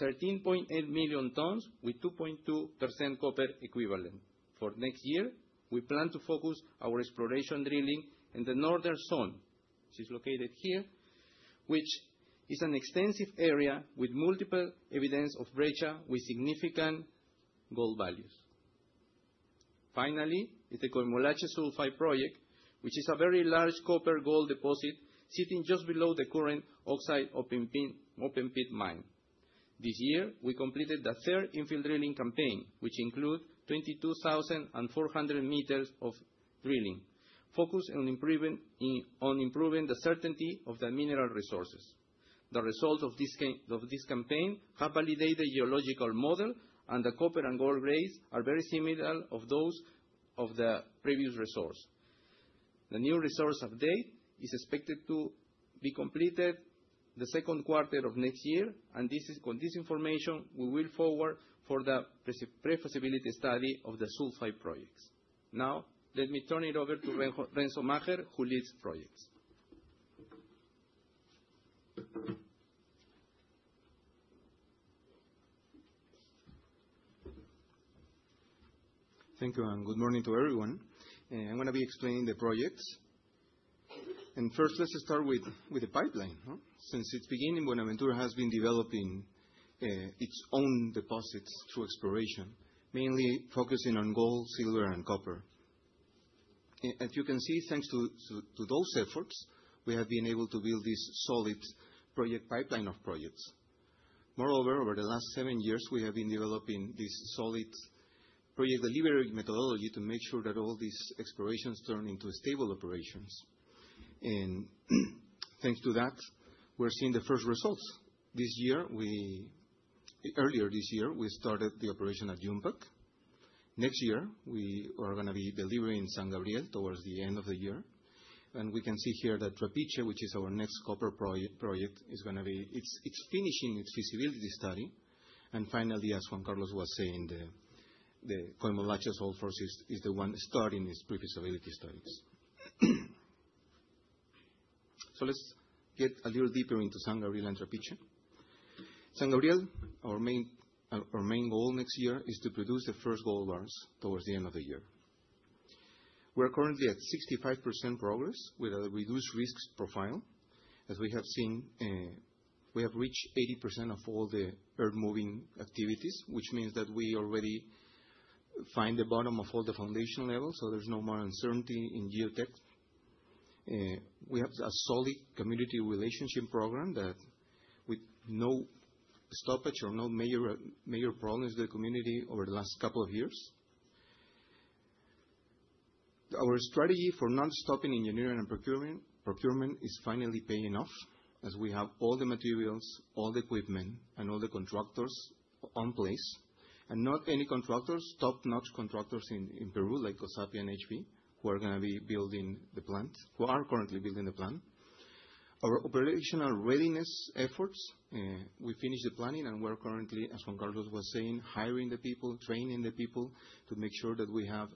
13.8 million tons with 2.2% copper equivalent. For next year, we plan to focus our exploration drilling in the northern zone, which is located here, which is an extensive area with multiple evidences of breccia with significant gold values. Finally, there is the Coimolache Sulfide project, which is a very large copper-gold deposit sitting just below the current oxide open-pit mine. This year, we completed the third infill drilling campaign, which included 22,400 m of drilling, focused on improving the certainty of the mineral resources. The results of this campaign have validated the geological model, and the copper and gold grades are very similar to those of the previous resource. The new resource update is expected to be completed the Q2 of next year. With this information, we will proceed for the pre-feasibility study of the sulfide projects. Now, let me turn it over to Renzo Macher, who leads projects. Thank you, and good morning to everyone. I am going to be explaining the projects. First, let's start with the pipeline. Since its beginning, Buenaventura has been developing its own deposits through exploration, mainly focusing on gold, silver, and copper. As you can see, thanks to those efforts, we have been able to build this solid project pipeline of projects. Moreover, over the last seven years, we have been developing this solid project delivery methodology to make sure that all these explorations turn into stable operations, and thanks to that, we're seeing the first results. Earlier this year, we started the operation at Yumpag. Next year, we are going to be delivering in San Gabriel towards the end of the year, and we can see here that Trapiche, which is our next copper project, is going to be finishing its feasibility study, and finally, as Juan Carlos was saying, the Coimolache sulfide is the one starting its pre-feasibility studies, so let's get a little deeper into San Gabriel and Trapiche. San Gabriel, our main goal next year, is to produce the first gold bars towards the end of the year. We are currently at 65% progress with a reduced risk profile. As we have seen, we have reached 80% of all the earth-moving activities, which means that we already find the bottom of all the foundation levels, so there's no more uncertainty in geotech. We have a solid community relationship program with no stoppage or no major problems with the community over the last couple of years. Our strategy for non-stopping engineering and procurement is finally paying off as we have all the materials, all the equipment, and all the contractors in place. And not any contractors, top-notch contractors in Peru like COSAPI and HV, who are going to be building the plant, who are currently building the plant. Our operational readiness efforts, we finished the planning, and we're currently, as Juan Carlos was saying, hiring the people, training the people to make sure that we have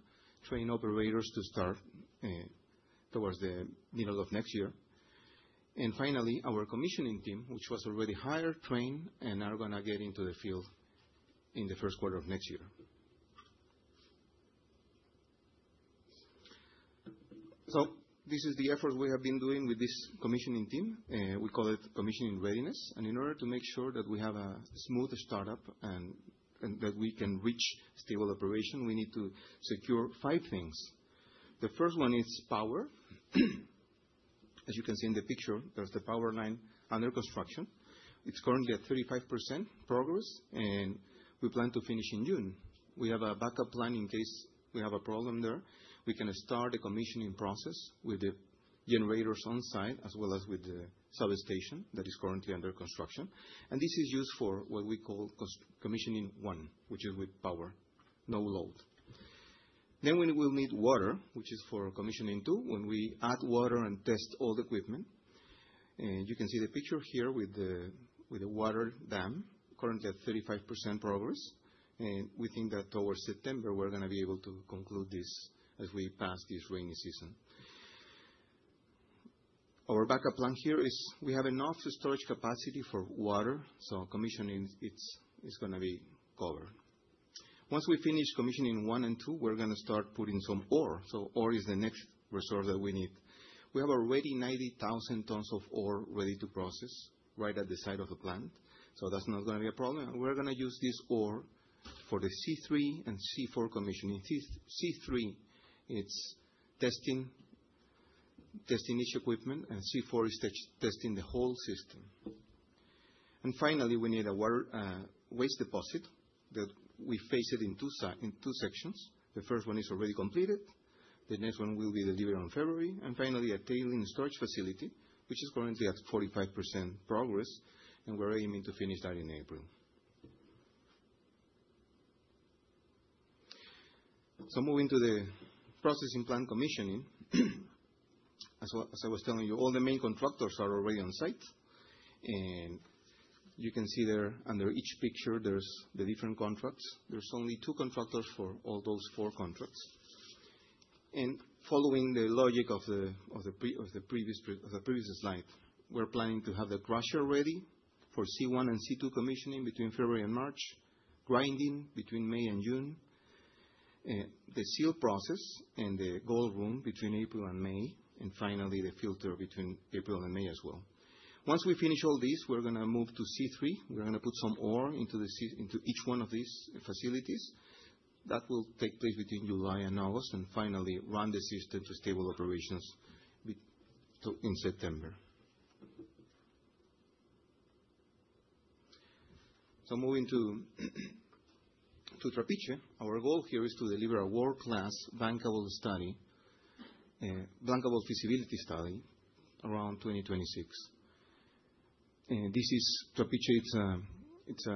trained operators to start towards the middle of next year. And finally, our commissioning team, which was already hired, trained, and are going to get into the field in the Q1 of next year. So this is the effort we have been doing with this commissioning team. We call it commissioning readiness. And in order to make sure that we have a smooth startup and that we can reach stable operation, we need to secure five things. The first one is power. As you can see in the picture, there's the power line under construction. It's currently at 35% progress, and we plan to finish in June. We have a backup plan in case we have a problem there. We can start the commissioning process with the generators on site as well as with the substation that is currently under construction, and this is used for what we call commissioning one, which is with power, no load, then we will need water, which is for commissioning two, when we add water and test all the equipment. You can see the picture here with the water dam, currently at 35% progress, and we think that towards September, we're going to be able to conclude this as we pass this rainy season. Our backup plan here is we have enough storage capacity for water, so commissioning is going to be covered. Once we finish commissioning one and two, we're going to start putting some ore, so ore is the next resource that we need. We have already 90,000 tons of ore ready to process right at the site of the plant. So that's not going to be a problem. And we're going to use this ore for the C3 and C4 commissioning. C3 is testing each equipment, and C4 is testing the whole system. And finally, we need a waste deposit that we phase it in two sections. The first one is already completed. The next one will be delivered in February. And finally, a tailings storage facility, which is currently at 45% progress, and we're aiming to finish that in April. So moving to the processing plant commissioning. As I was telling you, all the main contractors are already on site. And you can see there under each picture, there's the different contracts. There's only two contractors for all those four contracts. Following the logic of the previous slide, we're planning to have the crusher ready for C1 and C2 commissioning between February and March, grinding between May and June, the leach process and the gold room between April and May, and finally the filter between April and May as well. Once we finish all these, we're going to move to C3. We're going to put some ore into each one of these facilities. That will take place between July and August and finally run the system to stable operations in September. Moving to Trapiche, our goal here is to deliver a world-class Bankable Feasibility Study around 2026. This is Trapiche. It's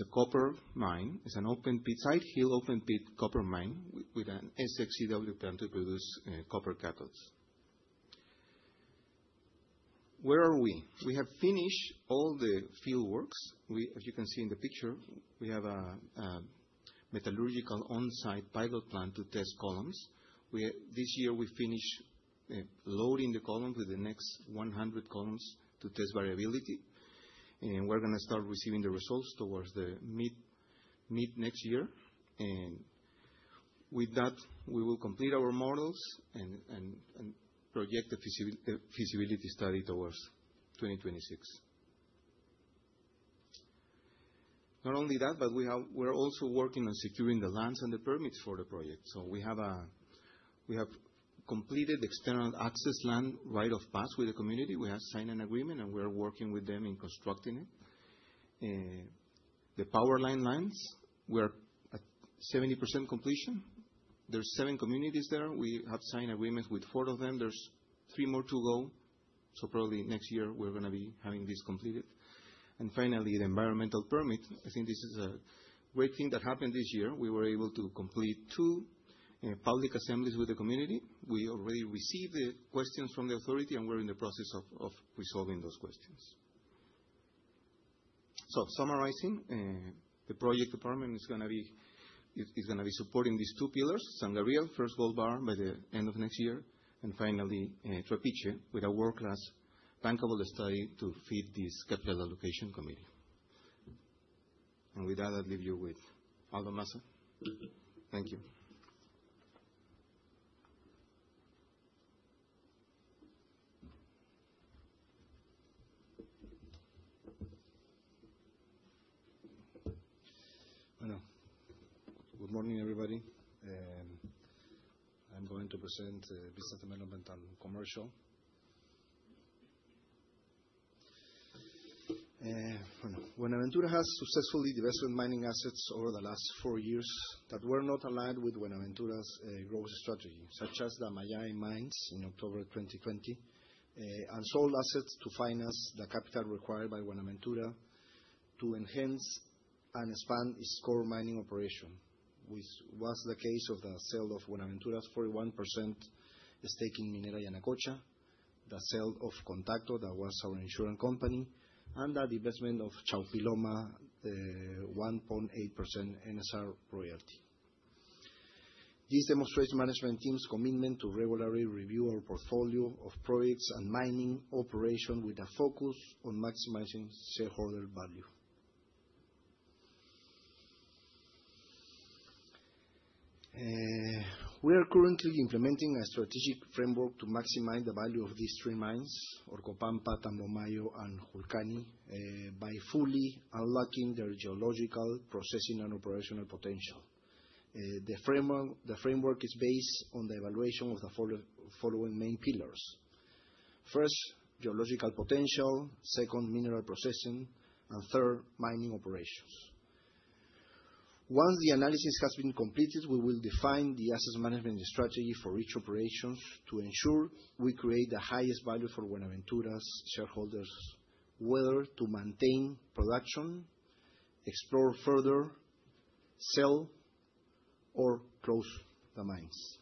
a copper mine. It's an open-pit, side hill open-pit copper mine with an SX-EW plant to produce copper cathodes. Where are we? We have finished all the field works. As you can see in the picture, we have a metallurgical on-site pilot plant to test columns. This year, we finished loading the columns with the next 100 columns to test variability. And we're going to start receiving the results towards mid-next year. And with that, we will complete our models and project the feasibility study towards 2026. Not only that, but we're also working on securing the lands and the permits for the project. So we have completed the external access land right-of-way with the community. We have signed an agreement, and we are working with them in constructing it. The power lines, we're at 70% completion. There are seven communities there. We have signed agreements with four of them. There are three more to go. So probably next year, we're going to be having this completed. And finally, the environmental permit. I think this is a great thing that happened this year. We were able to complete two public assemblies with the community. We already received the questions from the authority, and we're in the process of resolving those questions. So summarizing, the project department is going to be supporting these two pillars: San Gabriel, first gold bar by the end of next year, and finally Trapiche with a world-class bankable study to feed this capital allocation committee. And with that, I'll leave you with Aldo Massa. Thank you. Good morning, everybody. I'm going to present this development and commercial. Buenaventura has successfully divested mining assets over the last four years that were not aligned with Buenaventura's growth strategy, such as the Mallay mines in October 2020, and sold assets to finance the capital required by Buenaventura to enhance and expand its core mining operation, which was the case of the sale of Buenaventura's 41% stake in Minera Yanacocha, the sale of Contacto that was our insurance company, and the divestment of Chaupiloma, the 1.8% NSR royalty. This demonstrates the management team's commitment to regularly review our portfolio of projects and mining operations with a focus on maximizing shareholder value. We are currently implementing a strategic framework to maximize the value of these three mines, Orcopampa, Tambomayo, and Julcani, by fully unlocking their geological, processing, and operational potential. The framework is based on the evaluation of the following main pillars: first, geological potential; second, mineral processing; and third, mining operations. Once the analysis has been completed, we will define the asset management strategy for each operation to ensure we create the highest value for Buenaventura's shareholders, whether to maintain production, explore further, sell, or close the mines.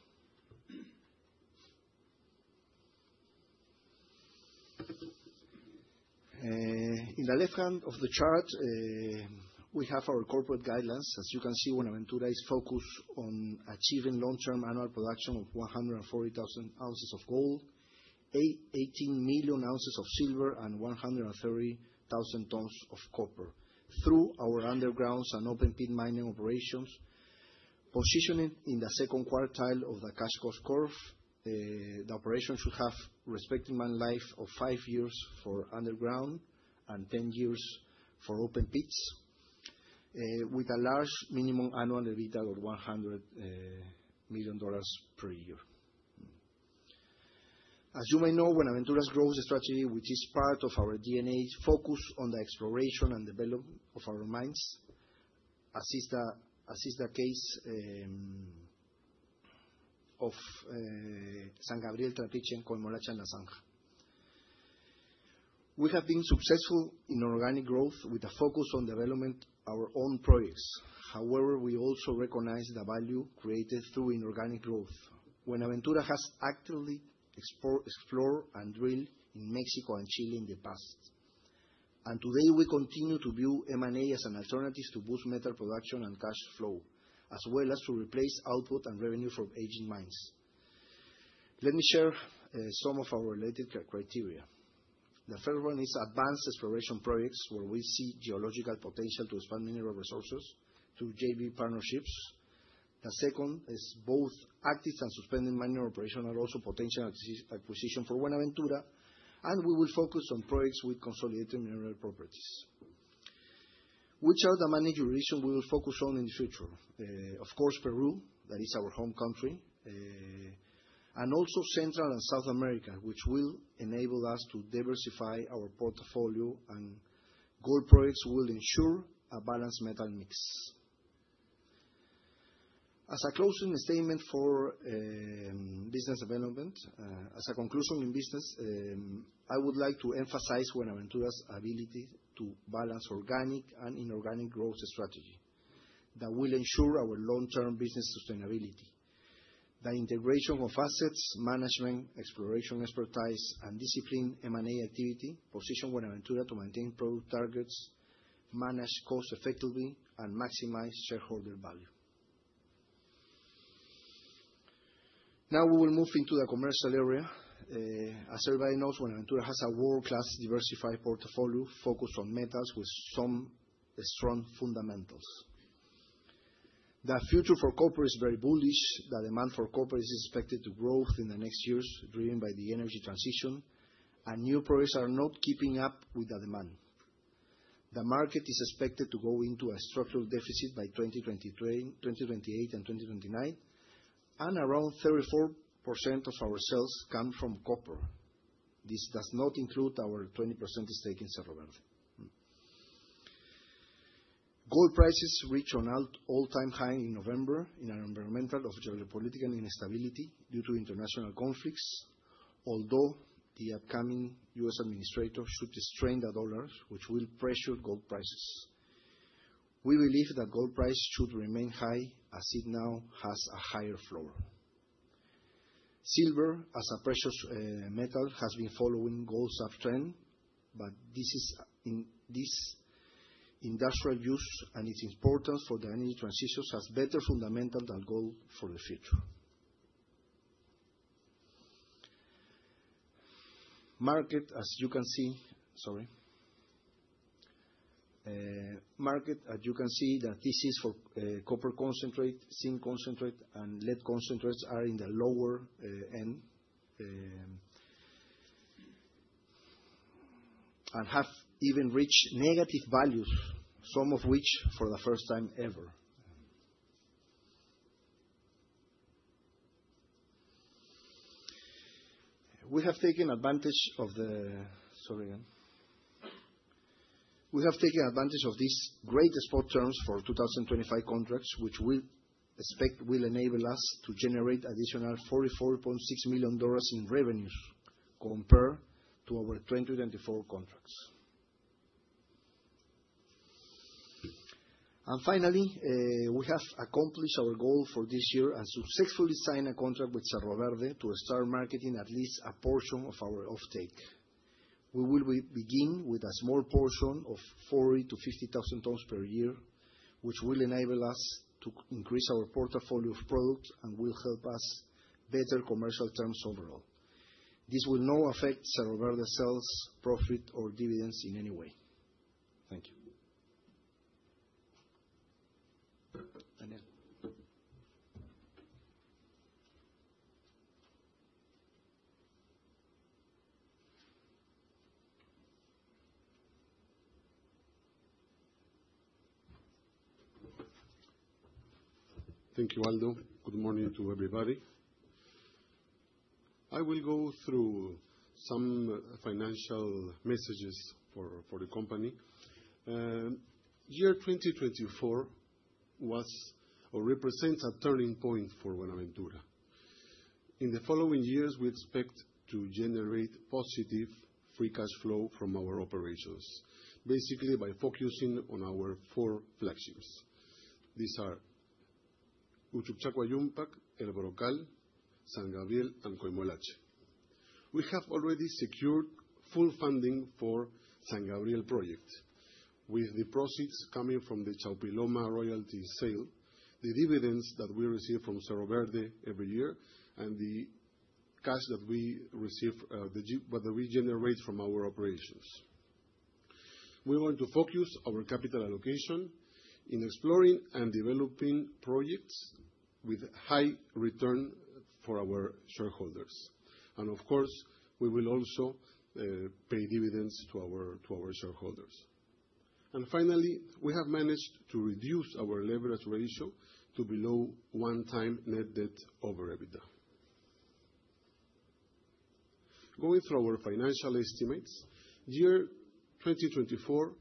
In the left hand of the chart, we have our corporate guidelines. As you can see, Buenaventura is focused on achieving long-term annual production of 140,000 ounces of gold, 18 million ounces of silver, and 130,000 tons of copper through our undergrounds and open-pit mining operations. Positioning in the second quartile of the cost curve, the operation should have respective mine life of five years for underground and 10 years for open pits, with a large minimum annual EBITDA of $100 million per year. As you may know, Buenaventura's growth strategy, which is part of our DNA, focuses on the exploration and development of our mines, as is the case of San Gabriel, Trapiche, and Coimolache, La Zanja. We have been successful in organic growth with a focus on developing our own projects. However, we also recognize the value created through inorganic growth. Buenaventura has actively explored and drilled in Mexico and Chile in the past. And today, we continue to view M&A as an alternative to boost metal production and cash flow, as well as to replace output and revenue from aging mines. Let me share some of our related criteria. The first one is advanced exploration projects where we see geological potential to expand mineral resources through JV partnerships. The second is both active and suspended mining operations, and also potential acquisition for Buenaventura. We will focus on projects with consolidated mineral properties. Which are the mining jurisdictions we will focus on in the future? Of course, Peru, that is our home country, and also Central and South America, which will enable us to diversify our portfolio. And gold projects will ensure a balanced metal mix. As a closing statement for business development, as a conclusion in business, I would like to emphasize Buenaventura's ability to balance organic and inorganic growth strategy that will ensure our long-term business sustainability. The integration of assets, management, exploration expertise, and disciplined M&A activity positions Buenaventura to maintain product targets, manage costs effectively, and maximize shareholder value. Now we will move into the commercial area. As everybody knows, Buenaventura has a world-class diversified portfolio focused on metals with some strong fundamentals. The future for copper is very bullish. The demand for copper is expected to grow within the next years, driven by the energy transition, and new projects are not keeping up with the demand. The market is expected to go into a structural deficit by 2028 and 2029, and around 34% of our sales come from copper. This does not include our 20% stake in Cerro Verde. Gold prices reached an all-time high in November in an environment of geopolitical instability due to international conflicts, although the upcoming US administration should strengthen the dollar, which will pressure gold prices. We believe that gold prices should remain high as it now has a higher floor. Silver, as a precious metal, has been following gold's uptrend, but its industrial use and its importance for the energy transition has better fundamentals than gold for the future. The market, as you can see. Sorry. market, as you can see, that this is for copper concentrate, zinc concentrate, and lead concentrates are in the lower end and have even reached negative values, some of which for the first time ever. We have taken advantage of these great spot terms for 2025 contracts, which we expect will enable us to generate additional $44.6 million in revenues compared to our 2024 contracts. And finally, we have accomplished our goal for this year and successfully signed a contract with Cerro Verde to start marketing at least a portion of our offtake. We will begin with a small portion of 40,000-50,000 tons per year, which will enable us to increase our portfolio of products and will help us better commercial terms overall. This will not affect Cerro Verde's sales, profit, or dividends in any way. Thank you. Daniel. Thank you, Aldo. Good morning to everybody. I will go through some financial messages for the company. Year 2024 represents a turning point for Buenaventura. In the following years, we expect to generate positive free cash flow from our operations, basically by focusing on our four flagships. These are Uchucchacua, Yumpag, El Brocal, San Gabriel, and Coimolache. We have already secured full funding for the San Gabriel project, with the profits coming from the Chaupiloma royalty sale, the dividends that we receive from Cerro Verde every year, and the cash that we generate from our operations. We're going to focus our capital allocation in exploring and developing projects with high returns for our shareholders. And of course, we will also pay dividends to our shareholders. And finally, we have managed to reduce our leverage ratio to below one times net debt over EBITDA. Going through our financial estimates, year 2024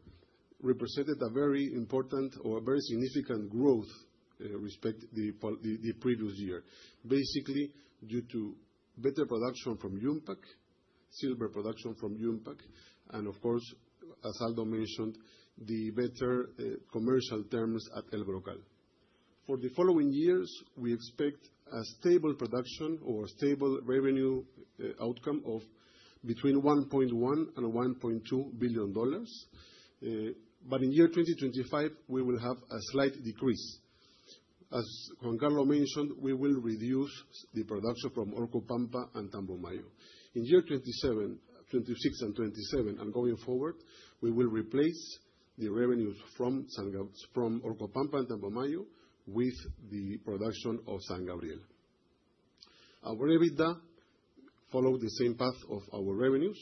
represented a very important or a very significant growth versus the previous year, basically due to better production from Yumpag, silver production from Yumpag, and of course, as Aldo mentioned, the better commercial terms at El Brocal. For the following years, we expect a stable production or stable revenue outcome of between $1.1 and $1.2 billion, but in year 2025, we will have a slight decrease. As Juan Carlos mentioned, we will reduce the production from Orcopampa and Tambomayo. In year 2026 and 2027 and going forward, we will replace the revenues from Orcopampa and Tambomayo with the production of San Gabriel. Our EBITDA followed the same path of our revenues.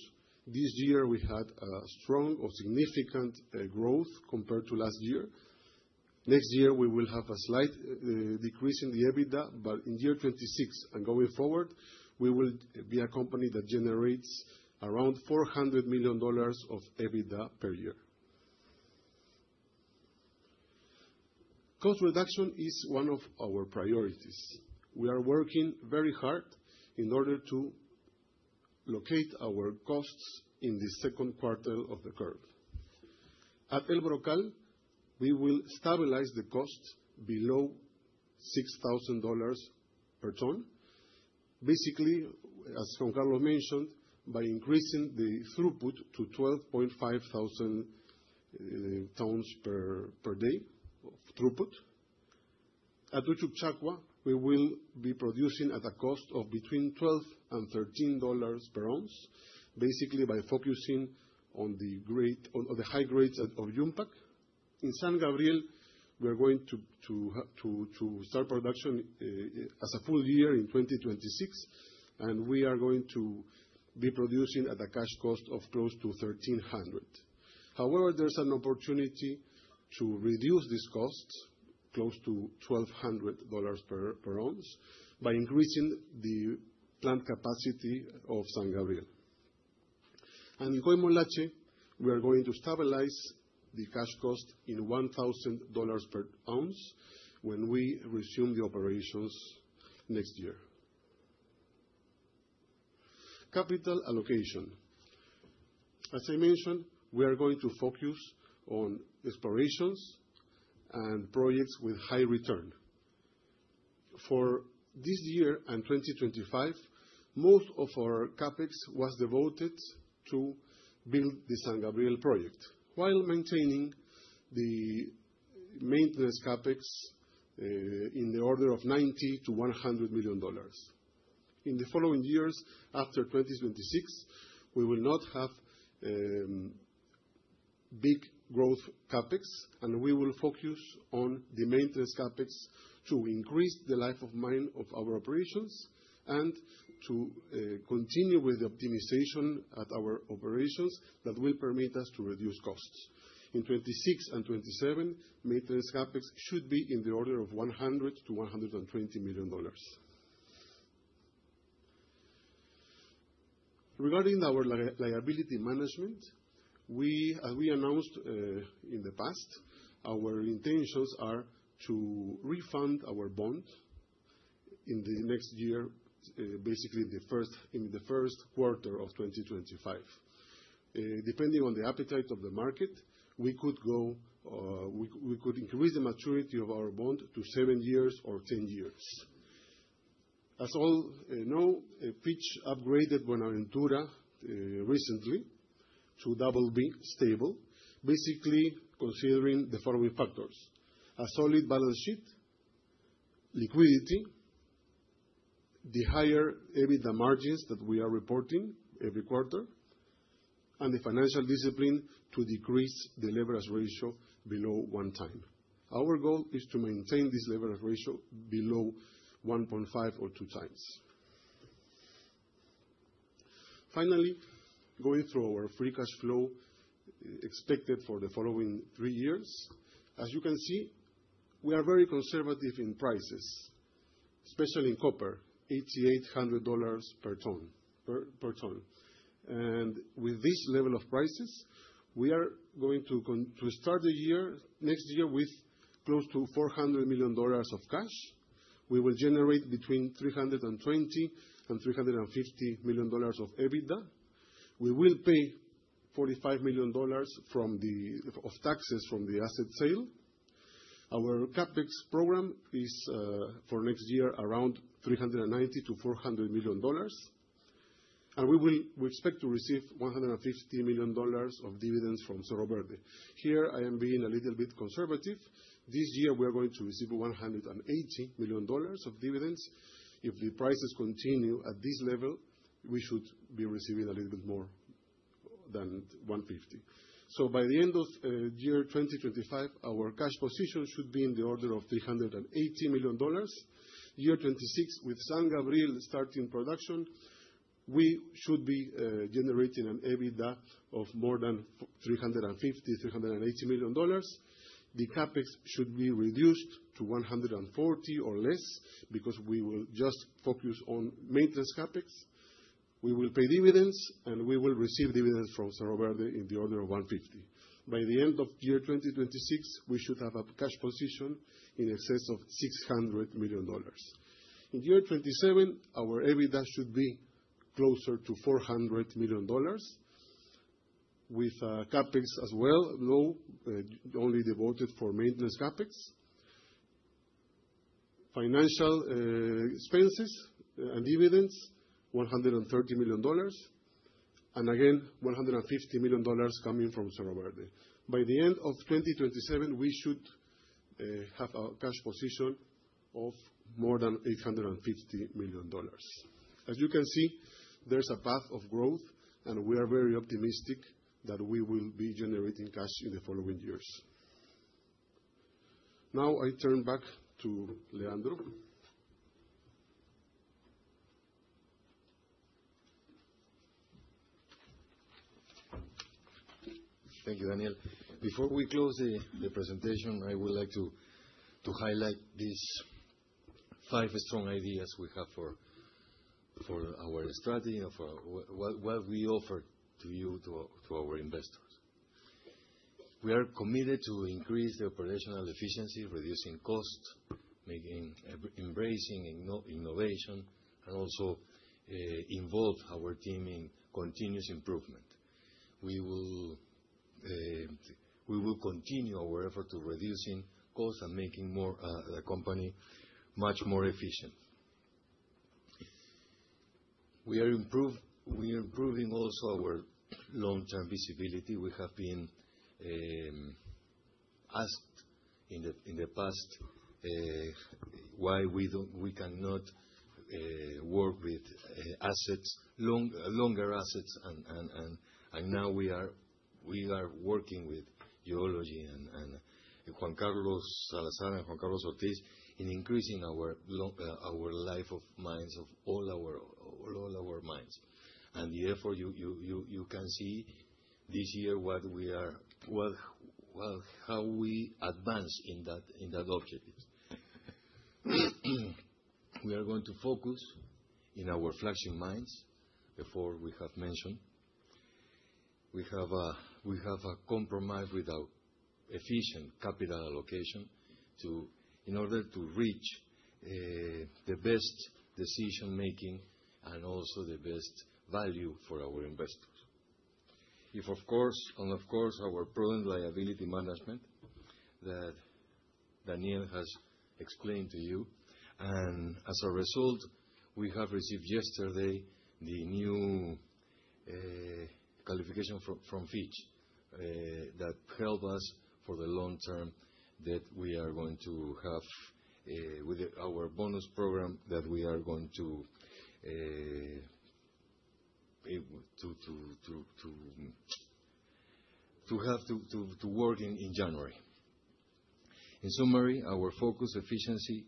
This year, we had a strong or significant growth compared to last year. Next year, we will have a slight decrease in the EBITDA, but in year 26 and going forward, we will be a company that generates around $400 million of EBITDA per year. Cost reduction is one of our priorities. We are working very hard in order to locate our costs in the second quartile of the curve. At El Brocal, we will stabilize the cost below $6,000 per ton. Basically, as Juan Carlos mentioned, by increasing the throughput to 12.5 thousand tons per day of throughput. At Uchucchacua, we will be producing at a cost of between $12 and $13 per ounce, basically by focusing on the high grades of Yumpag. In San Gabriel, we are going to start production as a full year in 2026, and we are going to be producing at a cash cost of close to $1,300. However, there's an opportunity to reduce this cost close to $1,200 per ounce by increasing the plant capacity of San Gabriel. And in Coimolache, we are going to stabilize the cash cost in $1,000 per ounce when we resume the operations next year. Capital allocation. As I mentioned, we are going to focus on explorations and projects with high return. For this year and 2025, most of our CAPEX was devoted to build the San Gabriel project, while maintaining the maintenance CAPEX in the order of $90-$100 million. In the following years, after 2026, we will not have big growth CAPEX, and we will focus on the maintenance CAPEX to increase the life of mine of our operations and to continue with the optimization at our operations that will permit us to reduce costs. In 2026 and 2027, maintenance CapEx should be in the order of $100-$120 million. Regarding our liability management, as we announced in the past, our intentions are to refund our bond in the next year, basically in the Q1 of 2025. Depending on the appetite of the market, we could increase the maturity of our bond to seven years or 10 years. As all know, Fitch upgraded Buenaventura recently to double B stable, basically considering the following factors: a solid balance sheet, liquidity, the higher EBITDA margins that we are reporting every quarter, and the financial discipline to decrease the leverage ratio below one time. Our goal is to maintain this leverage ratio below 1.5 or two times. Finally, going through our free cash flow expected for the following three years, as you can see, we are very conservative in prices, especially in copper, $8,800 per ton. With this level of prices, we are going to start the next year with close to $400 million of cash. We will generate between $320 and $350 million of EBITDA. We will pay $45 million of taxes from the asset sale. Our CapEx program is for next year around $390-$400 million. We expect to receive $150 million of dividends from Cerro Verde. Here, I am being a little bit conservative. This year, we are going to receive $180 million of dividends. If the prices continue at this level, we should be receiving a little bit more than $150. By the end of year 2025, our cash position should be in the order of $380 million. Year 26, with San Gabriel starting production, we should be generating an EBITDA of more than $350-$380 million. The CapEx should be reduced to $140 or less because we will just focus on maintenance CapEx. We will pay dividends, and we will receive dividends from Cerro Verde in the order of $150. By the end of year 2026, we should have a cash position in excess of $600 million. In 2027, our EBITDA should be closer to $400 million, with CapEx as well, though only devoted for maintenance CapEx. Financial expenses and dividends: $130 million. And again, $150 million coming from Cerro Verde. By the end of 2027, we should have a cash position of more than $850 million. As you can see, there's a path of growth, and we are very optimistic that we will be generating cash in the following years. Now I turn back to Leandro. Thank you, Daniel. Before we close the presentation, I would like to highlight these five strong ideas we have for our strategy and for what we offer to you, to our investors. We are committed to increase the operational efficiency, reducing cost, embracing innovation, and also involve our team in continuous improvement. We will continue our effort to reduce costs and make the company much more efficient. We are improving also our long-term visibility. We have been asked in the past why we cannot work with longer assets, and now we are working with Geology and Juan Carlos Salazar and Juan Carlos Ortiz in increasing our life of mines of all our mines. Therefore, you can see this year how we advance in that objective. We are going to focus in our flagship mines, the four we have mentioned. We have a commitment with our efficient capital allocation in order to reach the best decision-making and also the best value for our investors. Of course, our prudent liability management that Daniel has explained to you. As a result, we have received yesterday the new rating from Fitch that helps us for the long term that we are going to have with our bonus program that we are going to have to work in January. In summary, our focus is efficiency,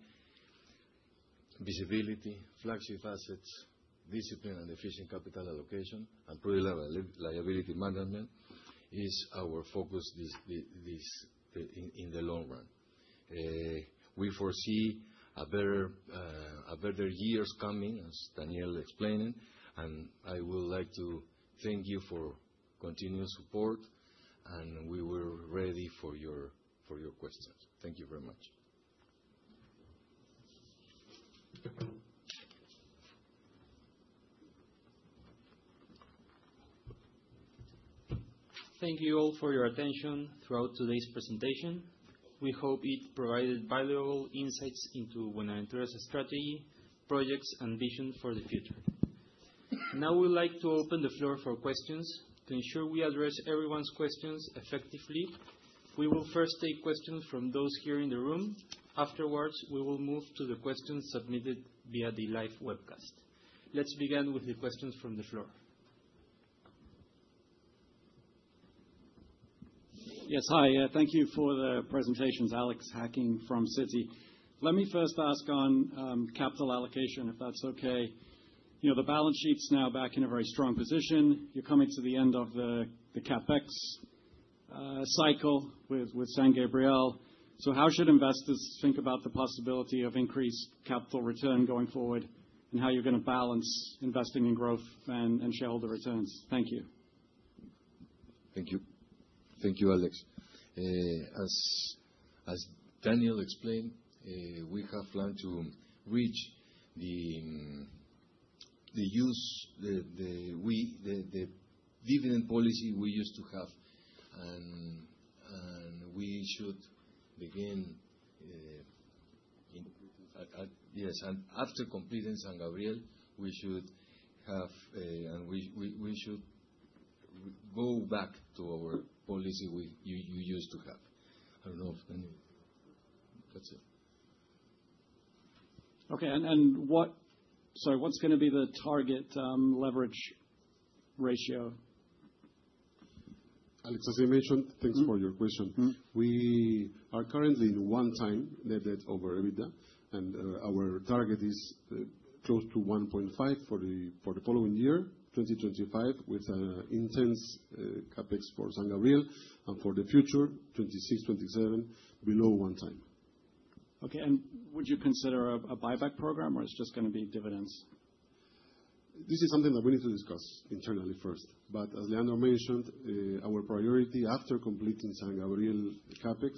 visibility, flagship assets, discipline, and efficient capital allocation, and prudent liability management is our focus in the long run. We foresee better years coming, as Daniel explained, and I would like to thank you for continued support, and we are ready for your questions. Thank you very much. Thank you all for your attention throughout today's presentation. We hope it provided valuable insights into Buenaventura's strategy, projects, and vision for the future. Now we'd like to open the floor for questions to ensure we address everyone's questions effectively. We will first take questions from those here in the room. Afterwards, we will move to the questions submitted via the live webcast. Let's begin with the questions from the floor. Yes, hi. Thank you for the presentations, Alex Hacking from Citi. Let me first ask on capital allocation, if that's okay. The balance sheet's now back in a very strong position. You're coming to the end of the CAPEX cycle with San Gabriel. So how should investors think about the possibility of increased capital return going forward and how you're going to balance investing in growth and shareholder returns? Thank you. Thank you. Thank you, Alex. As Daniel explained, we have planned to reach the dividend policy we used to have, and we should begin in. Yes, and after completing San Gabriel, we should have and we should go back to our policy we used to have. I don't know if that's it. Okay. And so what's going to be the target leverage ratio? Alex, as I mentioned, thanks for your question. We are currently in one time over EBITDA, and our target is close to 1.5 for the following year, 2025, with intense CapEx for San Gabriel and for the future, 2026, 2027, below one time. Okay. And would you consider a buyback program, or it's just going to be dividends? This is something that we need to discuss internally first. But as Leandro mentioned, our priority after completing San Gabriel CAPEX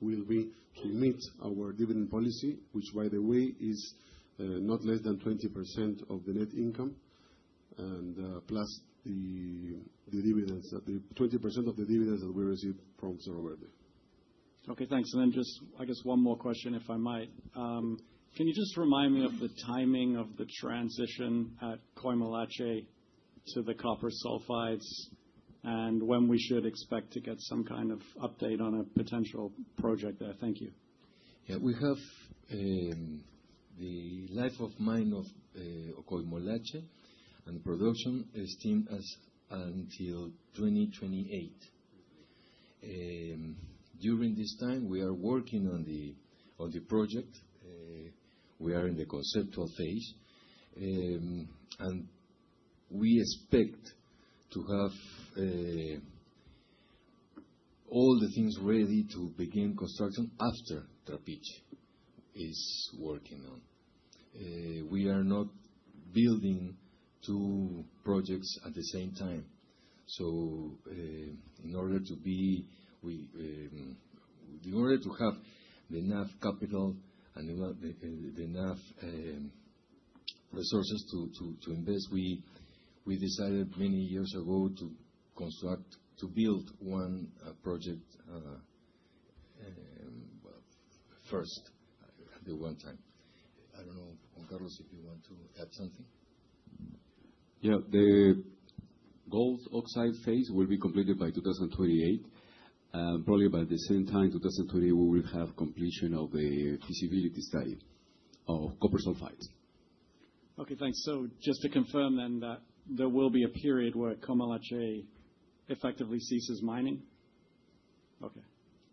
will be to meet our dividend policy, which, by the way, is not less than 20% of the net income and plus the 20% of the dividends that we receive from Cerro Verde. Okay. Thanks. And then just, I guess, one more question, if I might. Can you just remind me of the timing of the transition at Coimolache to the copper sulfides and when we should expect to get some kind of update on a potential project there? Thank you. Yeah. We have the life of mine of Coimolache and the production is until 2028. During this time, we are working on the project. We are in the conceptual phase, and we expect to have all the things ready to begin construction after Trapiche is working on. We are not building two projects at the same time. So in order to have the enough capital and the enough resources to invest, we decided many years ago to build one project first at one time.I don't know if Juan Carlos, if you want to add something. Yeah. The gold oxide phase will be completed by 2028. Probably by the same time, 2028, we will have completion of the feasibility study of copper sulfides. Okay. Thanks. So just to confirm then that there will be a period where Coimolache effectively ceases mining? Okay.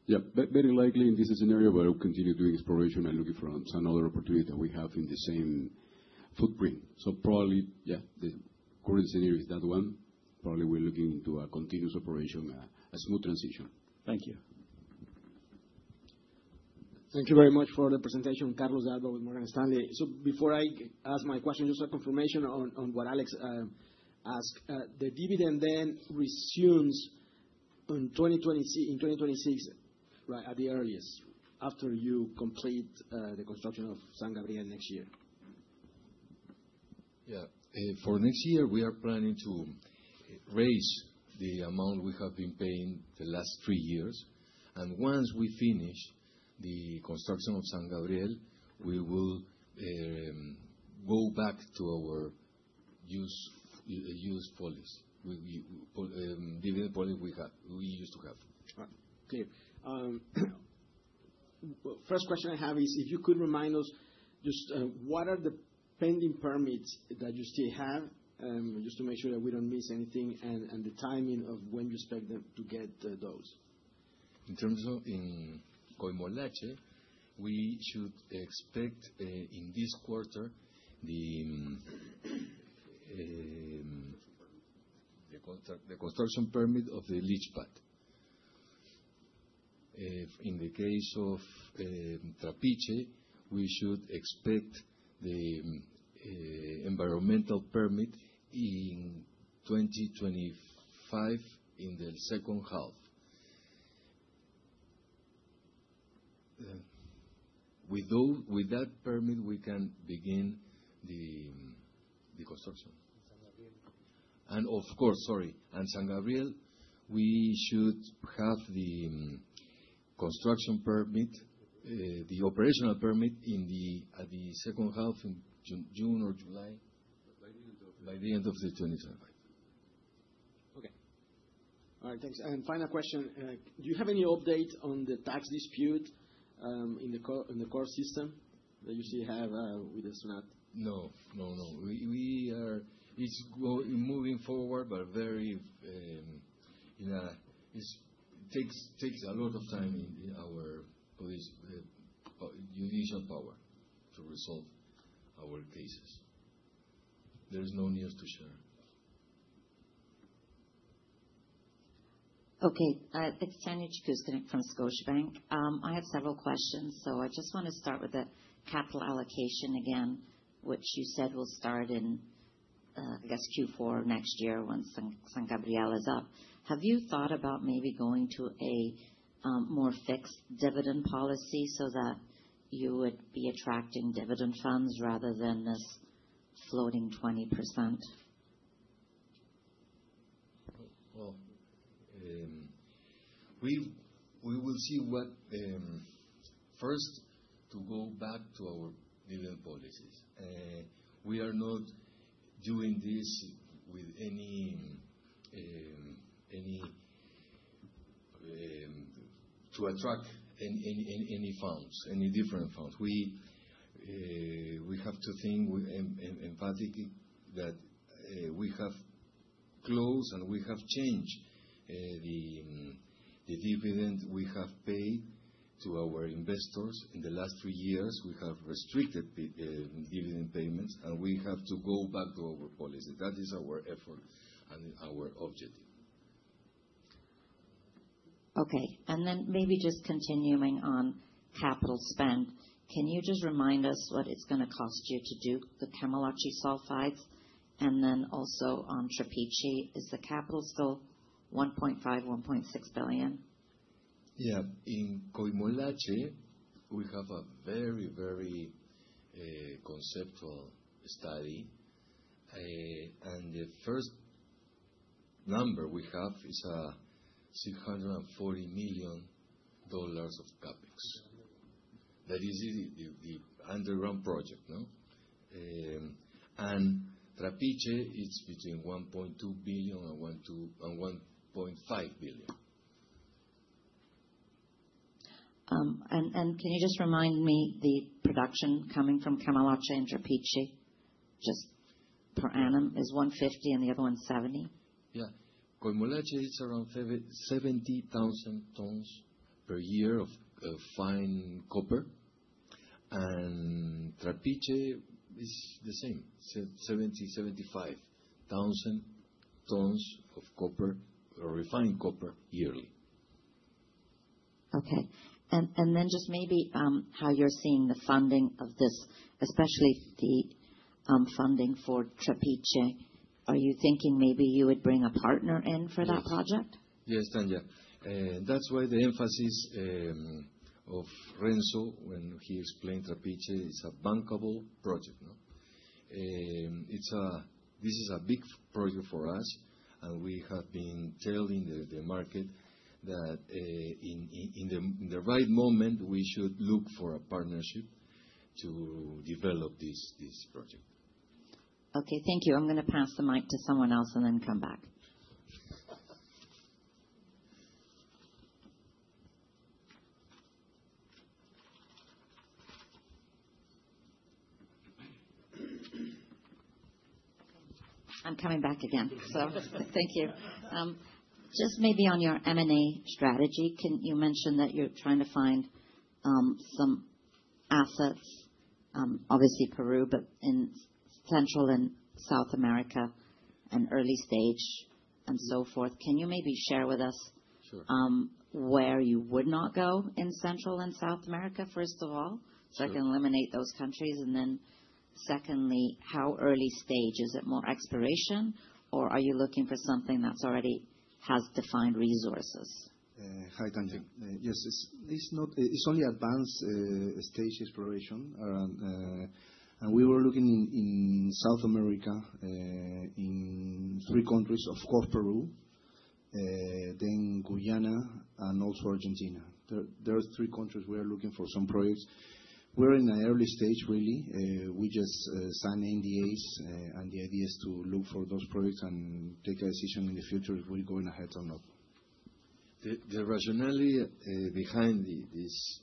Yeah. Very likely in this scenario, but we'll continue doing exploration and looking for another opportunity that we have in the same footprint. So probably, yeah, the current scenario is that one. Probably we're looking into a continuous operation, a smooth transition. Thank you. Thank you very much for the presentation, Carlos De Alba with Morgan Stanley. So before I ask my question, just a confirmation on what Alex asked. The dividend then resumes in 2026, right, at the earliest, after you complete the construction of San Gabriel next year? Yeah. For next year, we are planning to raise the amount we have been paying the last three years. Once we finish the construction of San Gabriel, we will go back to our usual policy, dividend policy we used to have. All right. Clear. First question I have is if you could remind us just what are the pending permits that you still have just to make sure that we don't miss anything and the timing of when you expect them to get those? In terms of Coimolache, we should expect in this quarter the construction permit of the leach pad. In the case of Trapiche, we should expect the environmental permit in 2025 in the second half. With that permit, we can begin the construction. And of course, sorry. And San Gabriel, we should have the construction permit, the operational permit in the second half in June or July by the end of 2025. Okay. All right. Thanks. Final question. Do you have any updates on the tax dispute in the core system that you still have with the SUNAT? No. No, no. It's moving forward, but very it takes a lot of time in our judicial power to resolve our cases. There is no news to share. Okay. It's Tanya Jakusconek from Scotiabank. I have several questions, so I just want to start with the capital allocation again, which you said will start in, I guess, Q4 next year once San Gabriel is up. Have you thought about maybe going to a more fixed dividend policy so that you would be attracting dividend funds rather than this floating 20%? We will see what first to go back to our dividend policies. We are not doing this to attract any funds, any different funds. We have to think emphatically that we have closed and we have changed the dividend we have paid to our investors in the last three years. We have restricted dividend payments, and we have to go back to our policy. That is our effort and our objective. Okay. And then maybe just continuing on capital spend, can you just remind us what it's going to cost you to do the Coimolache sulfides? And then also on Trapiche, is the capital still $1.5-$1.6 billion? Yeah. In Coimolache, we have a very, very conceptual study. The first number we have is $640 million of CAPEX. That is the underground project. Trapiche, it's between $1.2 billion and $1.5 billion. Can you just remind me the production coming from Coimolache and Trapiche just per annum is 150 and the other one 70? Yeah. Coimolache, it's around 70,000 tons per year of fine copper. And Trapiche is the same, 70-75,000 tons of copper or refined copper yearly. Okay. And then just maybe how you're seeing the funding of this, especially the funding for Trapiche, are you thinking maybe you would bring a partner in for that project? Yes, Tanya. That's why the emphasis of Renzo when he explained Trapiche is a bankable project. This is a big project for us, and we have been telling the market that in the right moment, we should look for a partnership to develop this project. Okay. Thank you. I'm going to pass the mic to someone else and then come back. I'm coming back again, so thank you. Just maybe on your M&A strategy, you mentioned that you're trying to find some assets, obviously Peru, but in Central and South America and early stage and so forth. Can you maybe share with us where you would not go in Central and South America, first of all? So I can eliminate those countries. And then secondly, how early stage? Is it more exploration, or are you looking for something that already has defined resources? Hi, Tanya. Yes. It's only advanced stage exploration, and we were looking in South America in three countries, of course, Peru, then Guyana, and also Argentina. There are three countries we are looking for some projects. We're in an early stage, really. We just signed NDAs, and the idea is to look for those projects and take a decision in the future if we're going ahead or not. The rationale behind these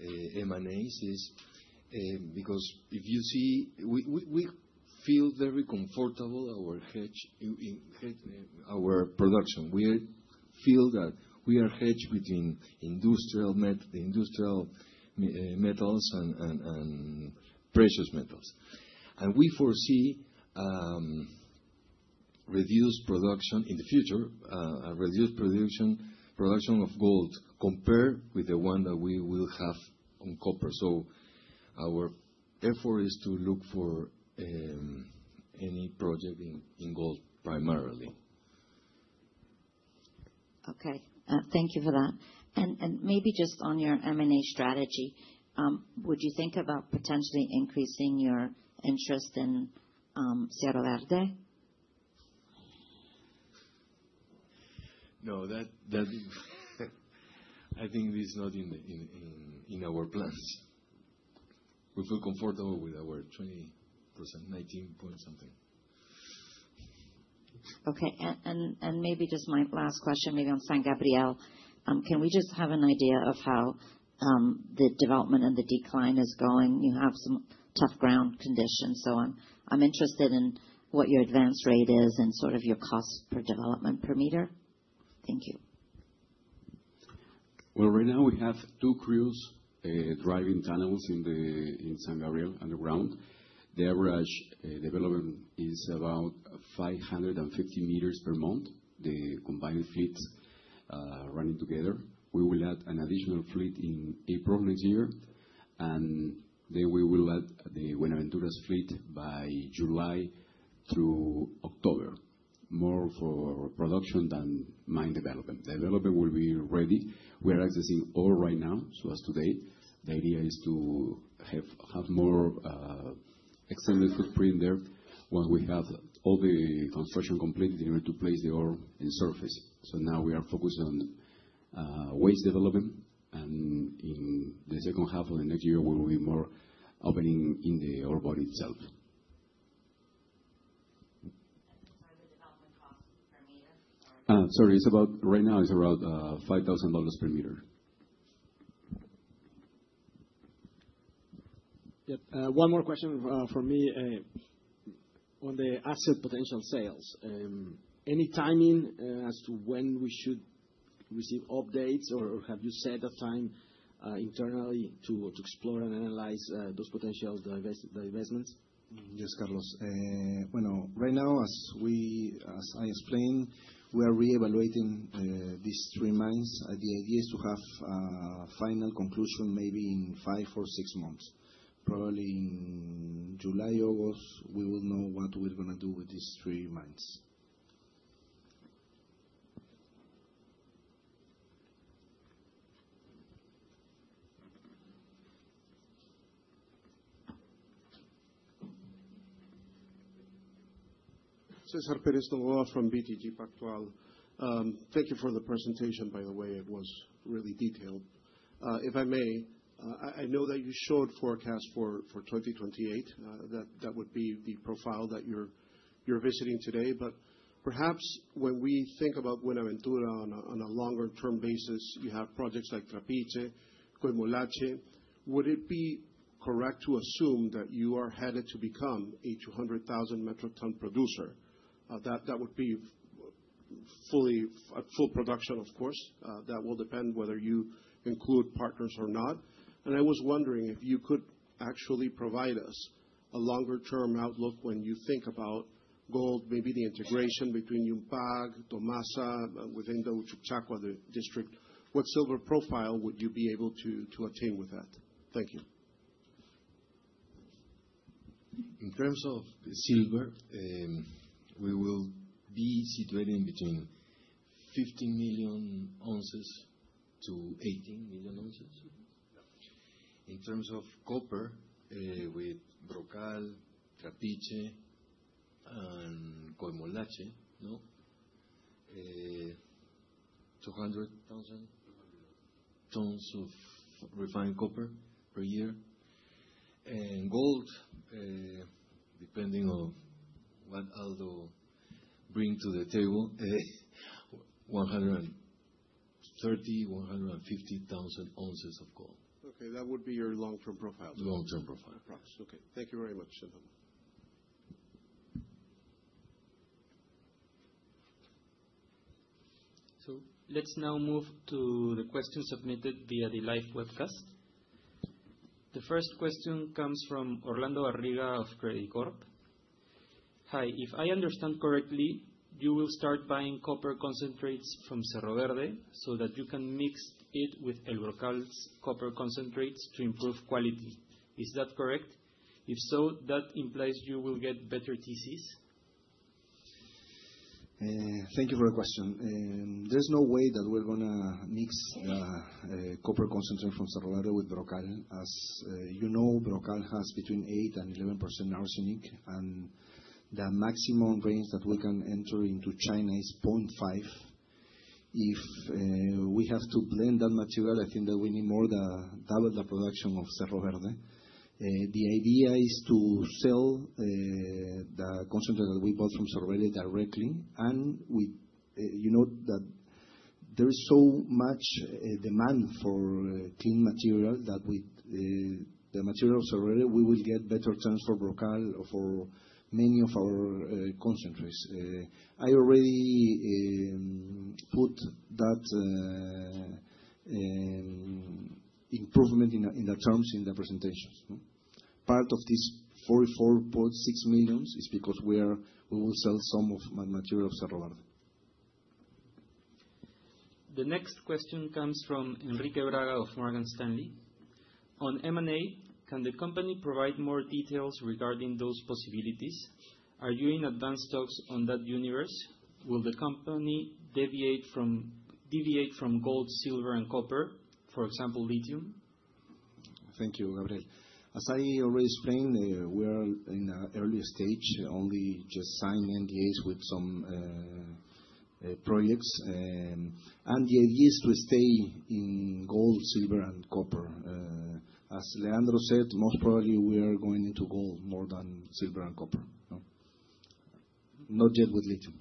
M&As is because if you see, we feel very comfortable in our production. We feel that we are hedged between industrial metals and precious metals, and we foresee reduced production in the future, reduced production of gold compared with the one that we will have on copper, so our effort is to look for any project in gold primarily. Okay. Thank you for that. And maybe just on your M&A strategy, would you think about potentially increasing your interest in Cerro Verde? No. I think this is not in our plans. We feel comfortable with our 20%, 19 point something. Okay. And maybe just my last question, maybe on San Gabriel. Can we just have an idea of how the development and the decline is going? You have some tough ground conditions, so I'm interested in what your advance rate is and sort of your cost per development per meter. Thank you. Right now we have two crews driving tunnels in San Gabriel underground. The average development is about 550 m per month, the combined fleets running together. We will add an additional fleet in April next year, and then we will add the Buenaventura's fleet by July through October, more for production than mine development. The development will be ready. We are accessing ore right now, so as of today, the idea is to have more extended footprint there once we have all the construction completed in order to place the ore in surface. So now we are focused on waste development, and in the second half of the next year, we will be more opening in the ore body itself. Sorry. Right now it's around $5,000 per meter. Yep. One more question for me on the asset potential sales. Any timing as to when we should receive updates, or have you set a time internally to explore and analyze those potential investments? Yes, Carlos. Well, right now, as I explained, we are reevaluating these three mines. The idea is to have a final conclusion maybe in five or six months. Probably in July, August, we will know what we're going to do with these three mines. Cesar Perez-Novoa from BTG Pactual. Thank you for the presentation, by the way. It was really detailed. If I may, I know that you showed forecast for 2028. That would be the profile that you're visiting today. But perhaps when we think about Buenaventura on a longer-term basis, you have projects like Trapiche, Coimolache. Would it be correct to assume that you are headed to become a 200,000 metric ton producer? That would be full production, of course. That will depend whether you include partners or not. And I was wondering if you could actually provide us a longer-term outlook when you think about gold, maybe the integration between Yumpag, Tomasa, within the Uchucchacua district. What silver profile would you be able to attain with that? Thank you. In terms of silver, we will be situated in between 15 million ounces to 18 million ounces. In terms of copper, with El Brocal, Trapiche, and Coimolache, 200,000 tons of refined copper per year. And gold, depending on what Aldo brings to the table, 130,000-150,000 ounces of gold. Okay. That would be your long-term profile. Long-term profile. Okay. Thank you very much, gentlemen. Let's now move to the questions submitted via the live webcast. The first question comes from Orlando Barriga of Credicorp. Hi. If I understand correctly, you will start buying copper concentrates from Cerro Verde so that you can mix it with El Brocal's copper concentrates to improve quality. Is that correct? If so, that implies you will get better TCs. Thank you for the question. There's no way that we're going to mix copper concentrate from Cerro Verde with Brocal. As you know, Brocal has between 8% and 11% arsenic, and the maximum range that we can enter into China is 0.5%. If we have to blend that material, I think that we need more than double the production of Cerro Verde. The idea is to sell the concentrate that we bought from Cerro Verde directly. And you know that there is so much demand for clean material that with the material of Cerro Verde, we will get better terms for Brocal or for many of our concentrates. I already put that improvement in the terms in the presentations. Part of this $44.6 million is because we will sell some of the material of Cerro Verde. The next question comes from Henrique Braga of Morgan Stanley. On M&A, can the company provide more details regarding those possibilities? Are you in advanced talks on that universe? Will the company deviate from gold, silver, and copper, for example, lithium? Thank you. [inaudible] As I already explained, we are in the early stage, only just signed NDAs with some projects, and the idea is to stay in gold, silver, and copper. As Leandro said, most probably we are going into gold more than silver and copper. Not yet with lithium.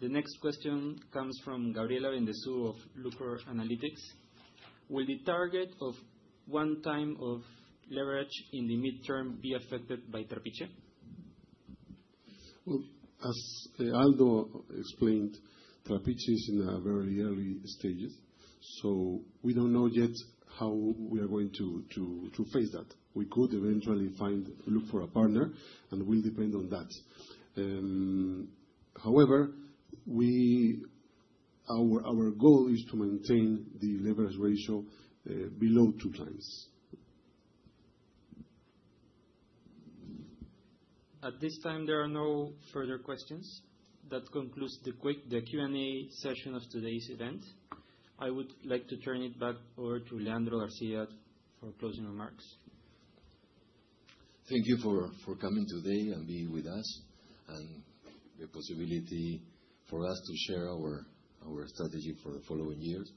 The next question comes from Gabriela [inaudible] of Lucror Analytics. Will the target of one time of leverage in the midterm be affected by Trapiche? As Aldo explained, Trapiche is in the very early stages, so we don't know yet how we are going to face that. We could eventually look for a partner, and it will depend on that. However, our goal is to maintain the leverage ratio below two times. At this time, there are no further questions. That concludes the Q&A session of today's event. I would like to turn it back over to Leandro García for closing remarks. Thank you for coming today and being with us and the possibility for us to share our strategy for the following years.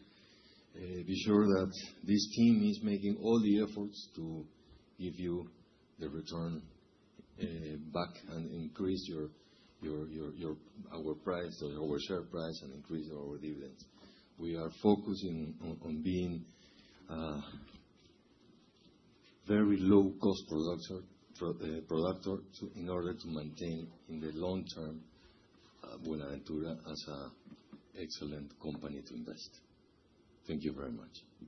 Be sure that this team is making all the efforts to give you the return back and increase our price, our share price, and increase our dividends. We are focusing on being a very low-cost producer in order to maintain in the long term Buenaventura as an excellent company to invest. Thank you very much.